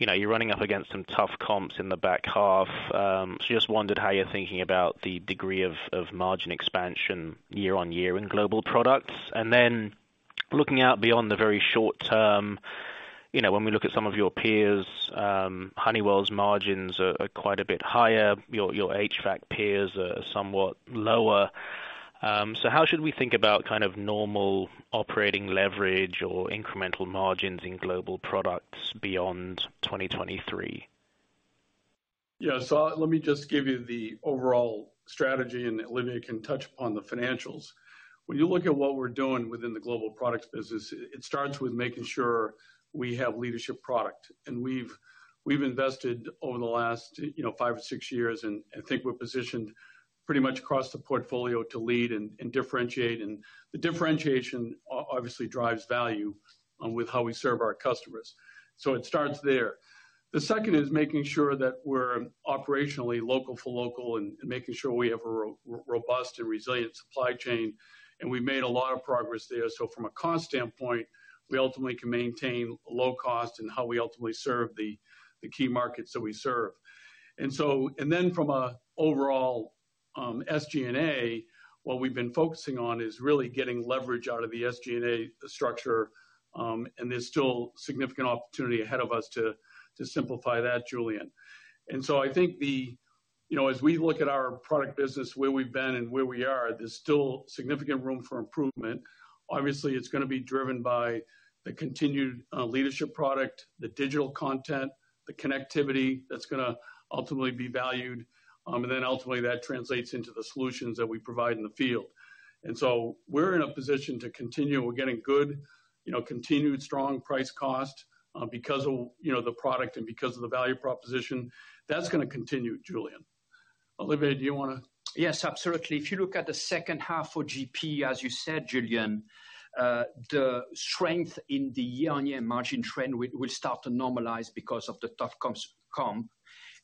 You know, you're running up against some tough comps in the back half. Just wondered how you're thinking about the degree of margin expansion year-on-year in Global Products. Then looking out beyond the very short term, you know, when we look at some of your peers, Honeywell's margins are quite a bit higher. Your HVAC peers are somewhat lower. How should we think about kind of normal operating leverage or incremental margins in Global Products beyond 2023? Yeah. Let me just give you the overall strategy, and Olivier can touch upon the financials. When you look at what we're doing within the global products business, it starts with making sure we have leadership product. And we've invested over the last, you know, 5 or 6 years, and I think we're positioned pretty much across the portfolio to lead and differentiate. And the differentiation obviously drives value with how we serve our customers. It starts there. The second is making sure that we're operationally local for local and making sure we have a robust and resilient supply chain, and we've made a lot of progress there. From a cost standpoint, we ultimately can maintain low cost in how we ultimately serve the key markets that we serve. From a overall SG&A, what we've been focusing on is really getting leverage out of the SG&A structure, and there's still significant opportunity ahead of us to simplify that, Julian Mitchell. I think, you know, as we look at our product business, where we've been and where we are, there's still significant room for improvement. Obviously, it's going to be driven by the continued leadership product, the digital content, the connectivity that's going to ultimately be valued, and then ultimately that translates into the solutions that we provide in the field. We're in a position to continue. We're getting good, you know, continued strong price cost, because of, you know, the product and because of the value proposition. That's going to continue, Julian Mitchell. Olivier Leonetti, do you want to? Yes, absolutely. If you look at the second half for GP, as you said, Julian, the strength in the year-on-year margin trend will start to normalize because of the tough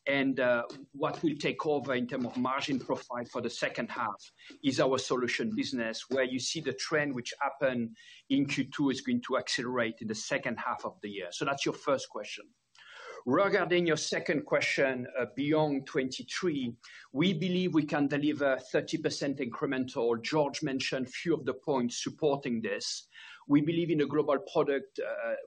comp. What will take over in term of margin profile for the second half is our solution business, where you see the trend which happened in Q2 is going to accelerate in the second half of the year. That's your first question. Regarding your second question, beyond 2023, we believe we can deliver 30% incremental. George mentioned a few of the points supporting this. We believe in a global product.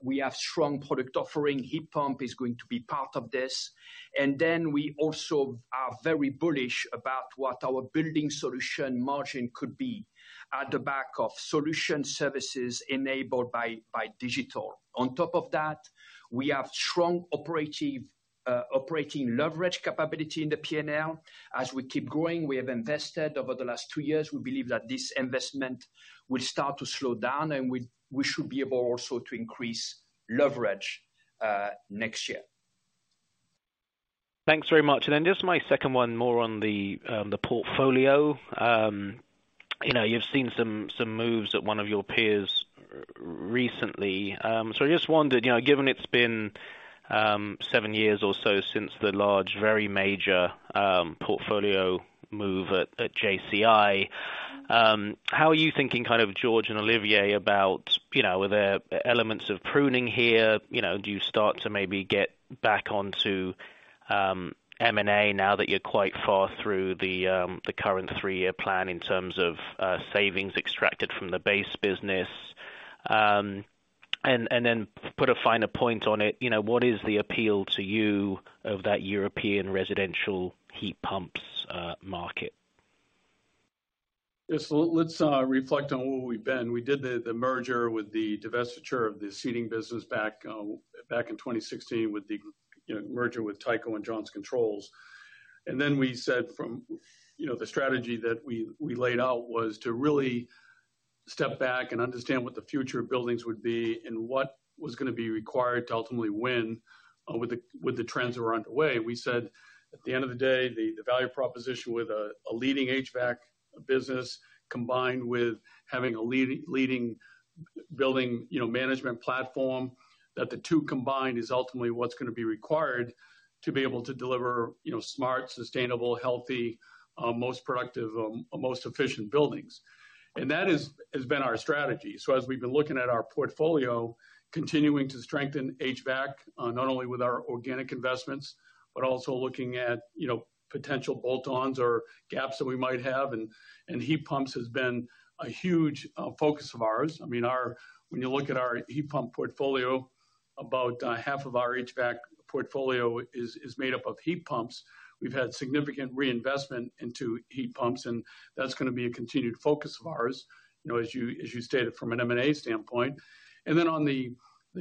We have strong product offering. Heat pump is going to be part of this. We also are very bullish about what our building solution margin could be at the back of solution services enabled by digital. On top of that, we have strong operating leverage capability in the P&L. As we keep growing, we have invested over the last two years. We believe that this investment will start to slow down, and we should be able also to increase leverage next year. Thanks very much. Then just my second one more on the portfolio. You know, you've seen some moves at one of your peers recently. I just wondered, you know, given it's been seven years or so since the large, very major portfolio move at JCI, how are you thinking kind of George and Olivier, about, you know, are there elements of pruning here? You know, do you start to maybe get back onto M&A now that you're quite far through the current three-year plan in terms of savings extracted from the base business? Put a finer point on it, you know, what is the appeal to you of that European residential heat pumps market? Yes. Let's reflect on where we've been. We did the merger with the divestiture of the seating business back in 2016 with the, you know, merger with Tyco and Johnson Controls. Then we said from, you know, the strategy that we laid out was to really step back and understand what the future of buildings would be and what was going to be required to ultimately win with the trends that were underway. We said, at the end of the day, the value proposition with a leading HVAC business combined with having a leading building, you know, management platform, that the two combined is ultimately what's going to be required to be able to deliver, you know, smart, sustainable, healthy, most productive, most efficient buildings. That is, has been our strategy. As we've been looking at our portfolio, continuing to strengthen HVAC, not only with our organic investments, but also looking at, you know, potential bolt-ons or gaps that we might have, and heat pumps has been a huge focus of ours. I mean, when you look at our heat pump portfolio, about half of our HVAC portfolio is made up of heat pumps. We've had significant reinvestment into heat pumps, and that's going to be a continued focus of ours, you know, as you stated from an M&A standpoint. On the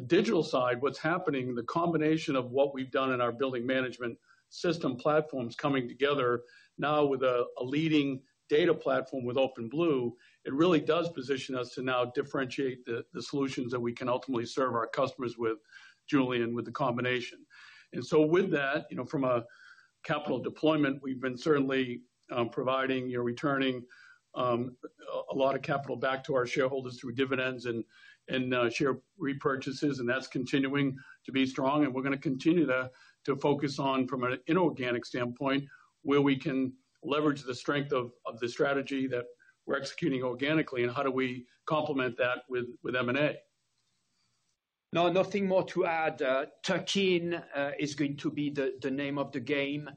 digital side, what's happening, the combination of what we've done in our building management system platforms coming together now with a leading data platform with OpenBlue, it really does position us to now differentiate the solutions that we can ultimately serve our customers with, Julian, with the combination. With that, you know, from a capital deployment, we've been certainly providing, you know, returning a lot of capital back to our shareholders through dividends and share repurchases, and that's continuing to be strong, and we're going to continue to focus on from an inorganic standpoint, where we can leverage the strength of the strategy that we're executing organically, and how do we complement that with M&A. No, nothing more to add. Tuck in is going to be the name of the game.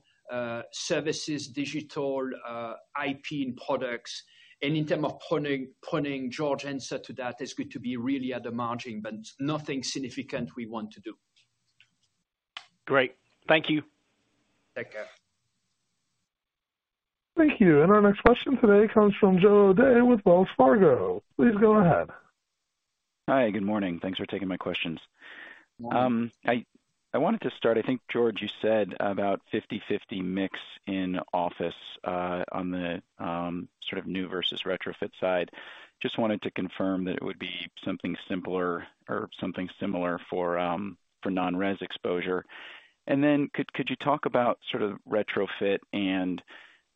Services, digital, IP and products. In term of pruning George answer to that is going to be really at the margin, but nothing significant we want to do. Great. Thank you. Take care. Thank you. Our next question today comes from Joe O'Dea with Wells Fargo. Please go ahead. Hi, good morning. Thanks for taking my questions. I wanted to start, I think, George, you said about 50-50 mix in office on the sort of new versus retrofit side. Just wanted to confirm that it would be something simpler or something similar for non-res exposure. Could you talk about sort of retrofit and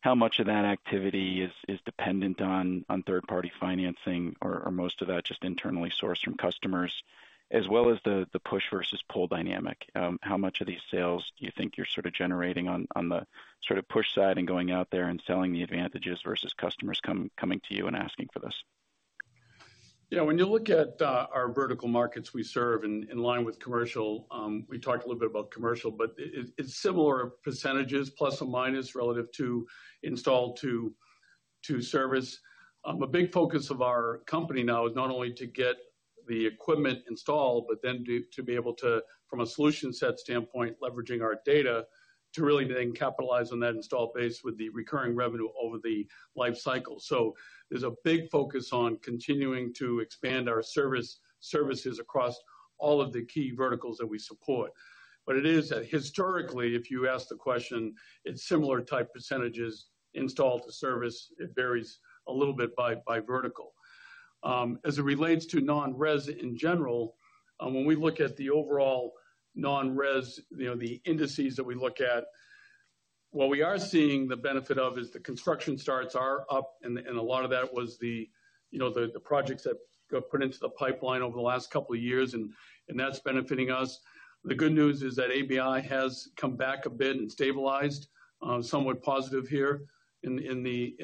how much of that activity is dependent on third-party financing or most of that just internally sourced from customers, as well as the push versus pull dynamic? How much of these sales do you think you're sort of generating on the sort of push side and going out there and selling the advantages versus customers coming to you and asking for this? Yeah. When you look at our vertical markets we serve in line with commercial, we talked a little bit about commercial, but it's similar percentages plus or minus relative to install to service. A big focus of our company now is not only to get the equipment installed, but then to be able to, from a solution set standpoint, leveraging our data to really then capitalize on that install base with the recurring revenue over the life cycle. There's a big focus on continuing to expand our services across all of the key verticals that we support. It is that historically, if you ask the question, it's similar type percentages. Install to service, it varies a little bit by vertical. As it relates to non-res in general, when we look at the overall non-res, you know, the indices that we look at, what we are seeing the benefit of is the construction starts are up and a lot of that was the, you know, the projects that got put into the pipeline over the last couple of years, that's benefiting us. The good news is that ABI has come back a bit and stabilized, somewhat positive here in the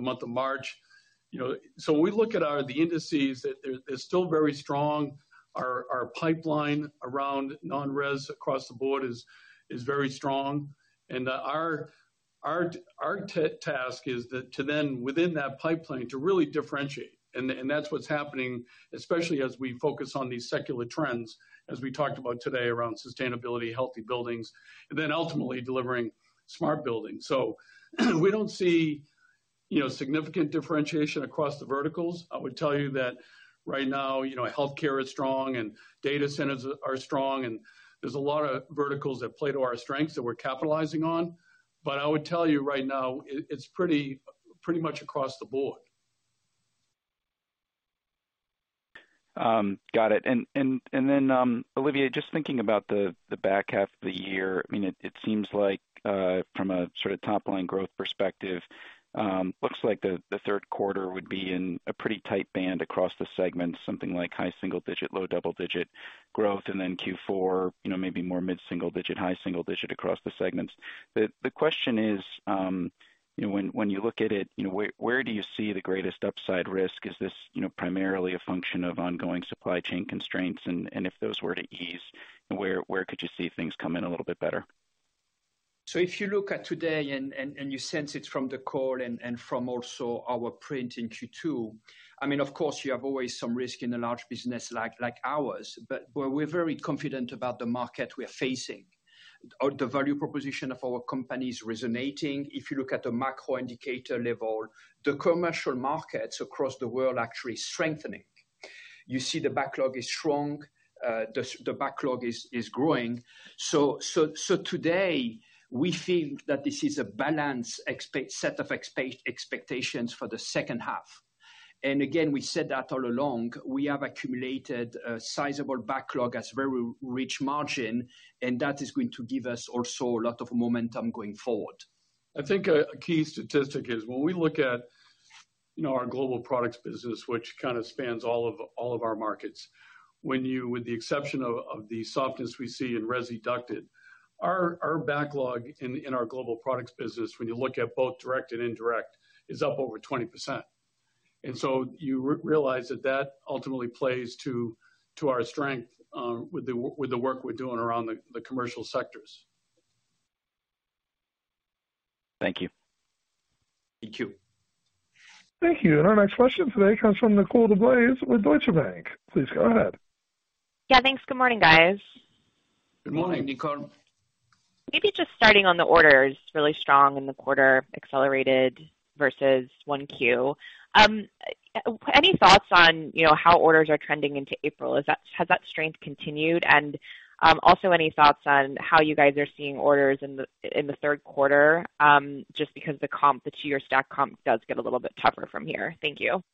month of March. You know, when we look at the indices it's still very strong. Our pipeline around non-res across the board is very strong. Our task is that to then within that pipeline, to really differentiate. That's what's happening, especially as we focus on these secular trends as we talked about today around sustainability, healthy buildings, and then ultimately delivering smart buildings. We don't see, you know, significant differentiation across the verticals. I would tell you that right now, you know, healthcare is strong and data centers are strong, and there's a lot of verticals that play to our strengths that we're capitalizing on. I would tell you right now, it's pretty much across the board. Got it. Olivier, just thinking about the back half of the year. I mean, it seems like, from a sort of top-line growth perspective, looks like the third quarter would be in a pretty tight band across the segment, something like high single-digit, low double-digit growth. Q4, you know, maybe more mid-single-digit, high single-digit across the segments. The question is, you know, when you look at it, you know, where do you see the greatest upside risk? Is this, you know, primarily a function of ongoing supply chain constraints? If those were to ease, where could you see things come in a little bit better? If you look at today and you sense it from the call and from also our print in Q2. I mean, of course you have always some risk in a large business like ours. We're very confident about the market we're facing. The value proposition of our company is resonating. If you look at the macro indicator level, the commercial markets across the world are actually strengthening. You see the backlog is strong. The backlog is growing. Today we think that this is a balanced set of expectations for the second half. Again, we said that all along. We have accumulated a sizable backlog at very rich margin, and that is going to give us also a lot of momentum going forward. I think a key statistic is when we look at, you know, our global products business, which kind of spans all of our markets. With the exception of the softness we see in resi ducted, our backlog in our global products business when you look at both direct and indirect, is up over 20%. You realize that that ultimately plays to our strength with the work we're doing around the commercial sectors. Thank you. Thank you. Thank you. Our next question today comes from Nicole DeBlase with Deutsche Bank. Please go ahead. Yeah, thanks. Good morning, guys. Good morning, Nicole. Maybe just starting on the orders, really strong in the quarter, accelerated versus 1Q. Any thoughts on, you know, how orders are trending into April? Has that strength continued? Also any thoughts on how you guys are seeing orders in the, in the 3rd quarter? Just because the comp, the 2-year stack comp does get a little bit tougher from here. Thank you.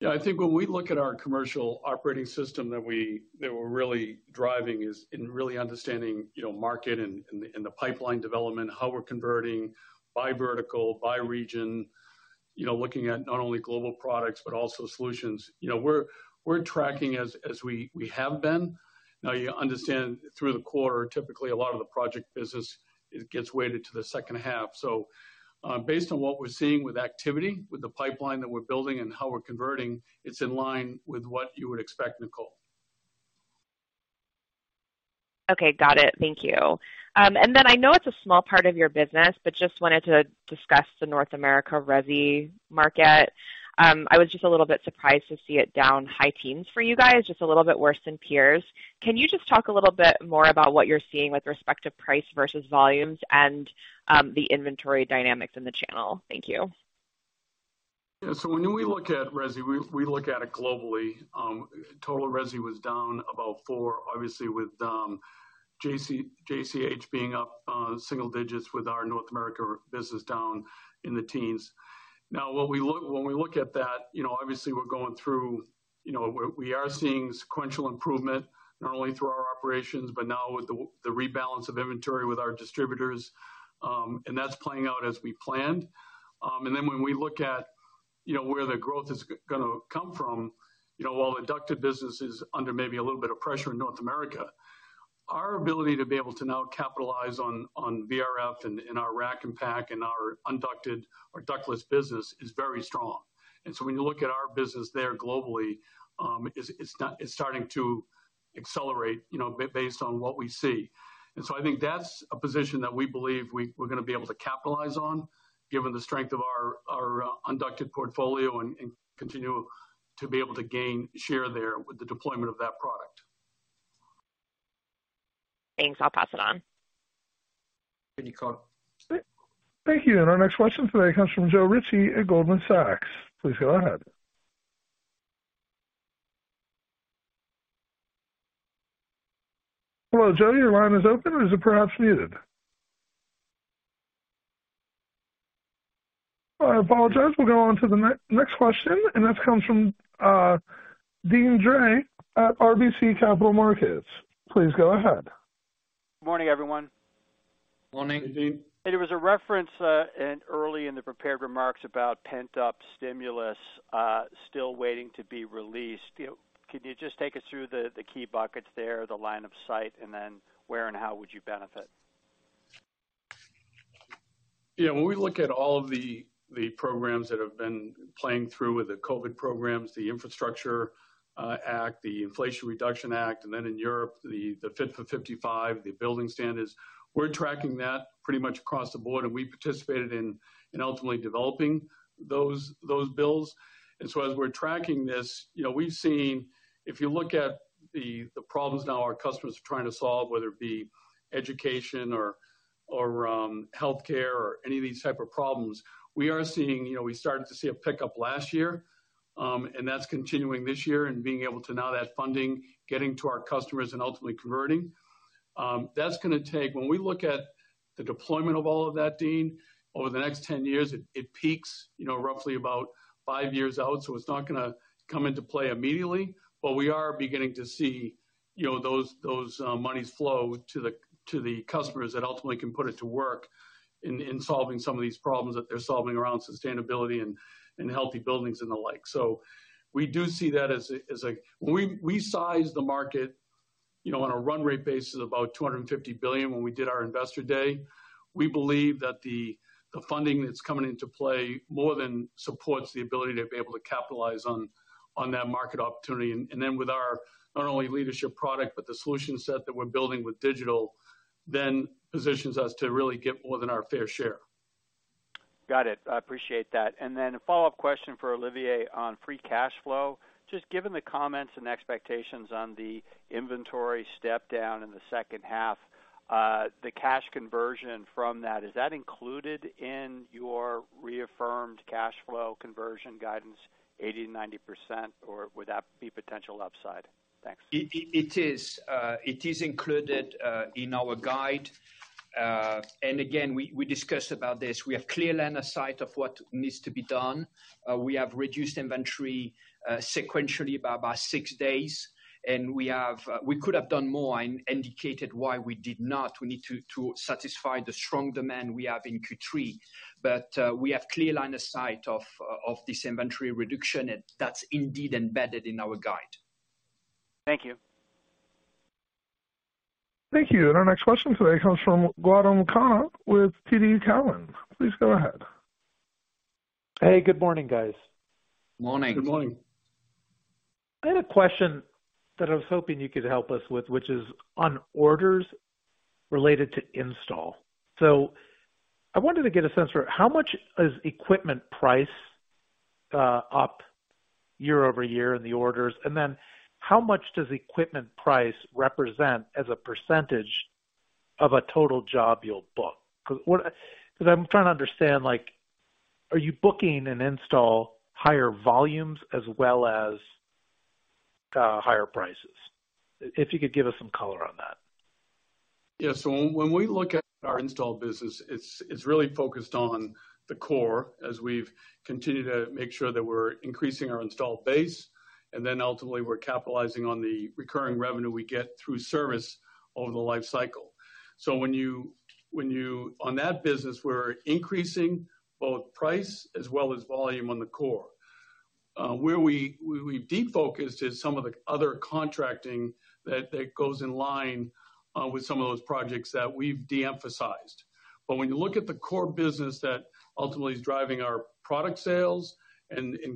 Yeah. I think when we look at our commercial operating system that we're really driving is in really understanding, you know, market and the pipeline development, how we're converting by vertical, by region. You know, looking at not only global products, but also solutions. You know, we're tracking as we have been. Now you understand through the quarter, typically a lot of the project business, it gets weighted to the second half. Based on what we're seeing with activity, with the pipeline that we're building and how we're converting, it's in line with what you would expect, Nicole. Okay. Got it. Thank you. I know it's a small part of your business, but just wanted to discuss the North America resi market. I was just a little bit surprised to see it down high teens for you guys, just a little bit worse than peers. Can you just talk a little bit more about what you're seeing with respect to price versus volumes and, the inventory dynamics in the channel? Thank you. Yeah. When we look at resi, we look at it globally. Total resi was down about 4, obviously with JCH being up single digits with our North America business down in the teens. When we look at that, you know, obviously we're going through, you know, we are seeing sequential improvement not only through our operations, but now with the rebalance of inventory with our distributors. That's playing out as we planned. When we look at, you know, where the growth is going to come from, you know, while the ducted business is under maybe a little bit of pressure in North America, our ability to be able to now capitalize on VRF and our rack and pack and our unducted or ductless business is very strong. When you look at our business there globally, it's starting to accelerate, you know, based on what we see. I think that's a position that we believe we're going to be able to capitalize on given the strength of our unducted portfolio and continue to be able to gain share there with the deployment of that product. Thanks. I'll pass it on. Thank you, Nicole. Thank you. Our next question today comes from Joe Ritchie at Goldman Sachs. Please go ahead. Hello, Joe. Your line is open. Is it perhaps muted? I apologize. We'll go on to the next question, and that comes from Deane Dray at RBC Capital Markets. Please go ahead. Morning, everyone. Morning, Deane. There was a reference in early in the prepared remarks about pent-up stimulus still waiting to be released. You know, can you just take us through the key buckets there, the line of sight, and then where and how would you benefit? Yeah. When we look at all of the programs that have been playing through with the COVID programs, the Infrastructure Act, the Inflation Reduction Act, and then in Europe, the Fit for 55, the building standards, we're tracking that pretty much across the board, and we participated in ultimately developing those bills. As we're tracking this, you know, we've seen if you look at the problems now our customers are trying to solve, whether it be education or healthcare or any of these type of problems, we are seeing. You know, we started to see a pickup last year, and that's continuing this year, and being able to now that funding getting to our customers and ultimately converting. That's going to take. When we look at the deployment of all of that, Deane, over the next 10 years, it peaks, you know, roughly about five years out, so it's not going to come into play immediately. We are beginning to see, you know, those monies flow to the customers that ultimately can put it to work in solving some of these problems that they're solving around sustainability and healthy buildings and the like. We do see that. We sized the market, you know, on a run rate basis about $250 billion when we did our Investor Day. We believe that the funding that's coming into play more than supports the ability to be able to capitalize on that market opportunity. With our not only leadership product, but the solution set that we're building with digital, then positions us to really get more than our fair share. Got it. I appreciate that. A follow-up question for Olivier on free cash flow. Just given the comments and expectations on the inventory step down in the second half, the cash conversion from that, is that included in your reaffirmed cash flow conversion guidance, 80%-90%, or would that be potential upside? Thanks. It is. It is included in our guide. Again, we discussed about this. We have clear line of sight of what needs to be done. We have reduced inventory sequentially by about 6 days, and we could have done more and indicated why we did not. We need to satisfy the strong demand we have in Q3. We have clear line of sight of this inventory reduction, and that's indeed embedded in our guide. Thank you. Thank you. Our next question today comes from Gautam Khanna with TD Cowen. Please go ahead. Hey, good morning, guys. Morning. Good morning. I had a question that I was hoping you could help us with, which is on orders related to install. I wanted to get a sense for how much is equipment price, up year-over-year in the orders, and then how much does equipment price represent as a % of a total job you'll book? 'Cause I'm trying to understand, like, are you booking an install higher volumes as well as, higher prices? If you could give us some color on that. Yeah. When we look at our install business, it's really focused on the core as we've continued to make sure that we're increasing our install base, and then ultimately we're capitalizing on the recurring revenue we get through service over the life cycle. On that business, we're increasing both price as well as volume on the core. Where we've defocused is some of the other contracting that goes in line with some of those projects that we've de-emphasized. When you look at the core business that ultimately is driving our product sales and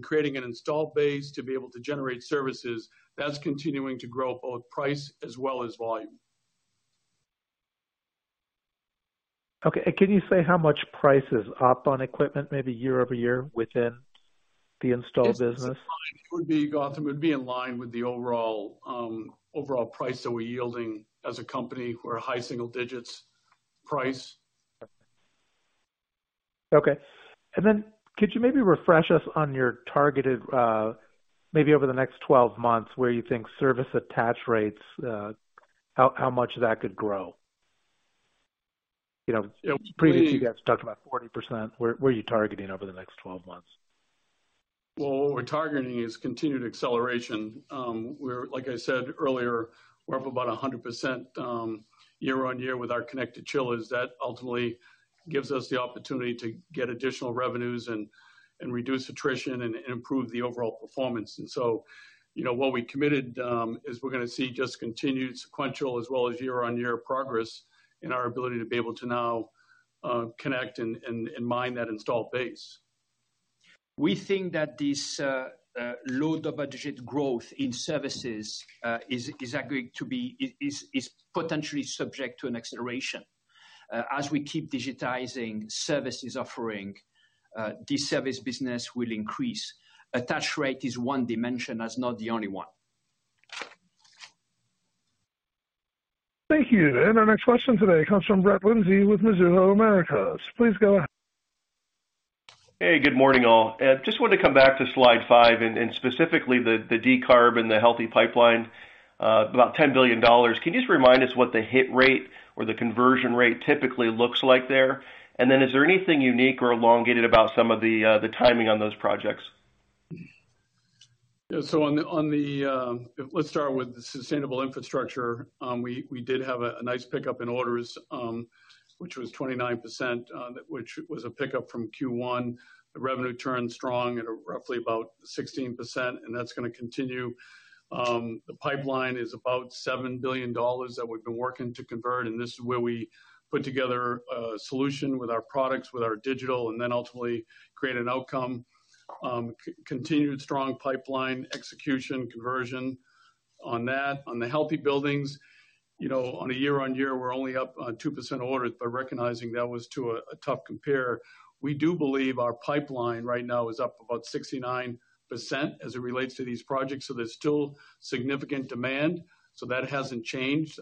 creating an install base to be able to generate services, that's continuing to grow both price as well as volume. Okay. Can you say how much price is up on equipment, maybe year-over-year within the install business? Yes. It's fine. Gautam, it would be in line with the overall price that we're yielding as a company. We're a high single digits price. Okay. Could you maybe refresh us on your targeted, maybe over the next 12 months, where you think service attach rates, how much that could grow? You know? Yeah. Previously, you guys talked about 40%. Where are you targeting over the next 12 months? Well, what we're targeting is continued acceleration. like I said earlier, we're up about 100% year-over-year with our connected chillers. That ultimately gives us the opportunity to get additional revenues and reduce attrition and improve the overall performance. you know, what we committed is we're going to see just continued sequential as well as year-over-year progress in our ability to be able to now connect and mine that installed base. We think that this low double-digit growth in services is agreed to be potentially subject to an acceleration. As we keep digitizing services offering, this service business will increase. Attach rate is one dimension, that's not the only one. Thank you. Our next question today comes from Brett Linzey with Mizuho Americas. Please Hey, good morning, all. Just wanted to come back to slide five and specifically the decarb and the healthy pipeline, about $10 billion. Can you just remind us what the hit rate or the conversion rate typically looks like there? Is there anything unique or elongated about some of the timing on those projects? Yeah. On the, on the, let's start with the sustainable infrastructure. We did have a nice pickup in orders, which was 29%, which was a pickup from Q1. The revenue turned strong at roughly about 16%, and that's going to continue. The pipeline is about $7 billion that we've been working to convert, and this is where we put together a solution with our products, with our digital, and then ultimately create an outcome. Continued strong pipeline execution conversion on that. On the healthy buildings, you know, on a year-on-year, we're only up 2% orders, but recognizing that was to a tough compare. We do believe our pipeline right now is up about 69% as it relates to these projects, so there's still significant demand. That hasn't changed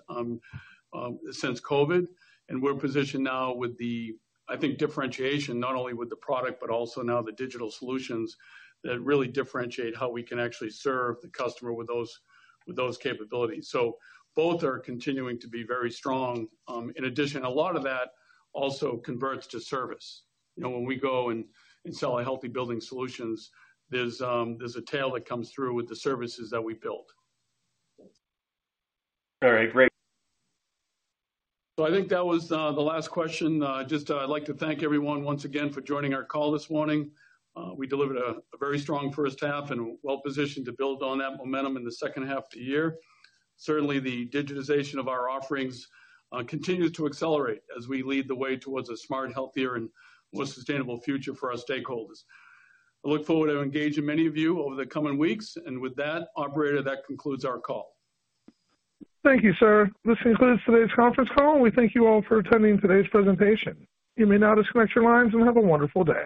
since COVID. We're positioned now with the, I think, differentiation, not only with the product but also now the digital solutions that really differentiate how we can actually serve the customer with those capabilities. Both are continuing to be very strong. In addition, a lot of that also converts to service. You know, when we go and sell our healthy building solutions, there's a tail that comes through with the services that we built. All right. Great. I think that was the last question. Just, I'd like to thank everyone once again for joining our call this morning. We delivered a very strong first half and well positioned to build on that momentum in the second half of the year. Certainly, the digitization of our offerings continues to accelerate as we lead the way towards a smart, healthier, and more sustainable future for our stakeholders. I look forward to engaging many of you over the coming weeks. With that, operator, that concludes our call. Thank you, sir. This concludes today's conference call. We thank you all for attending today's presentation. You may now disconnect your lines and have a wonderful day.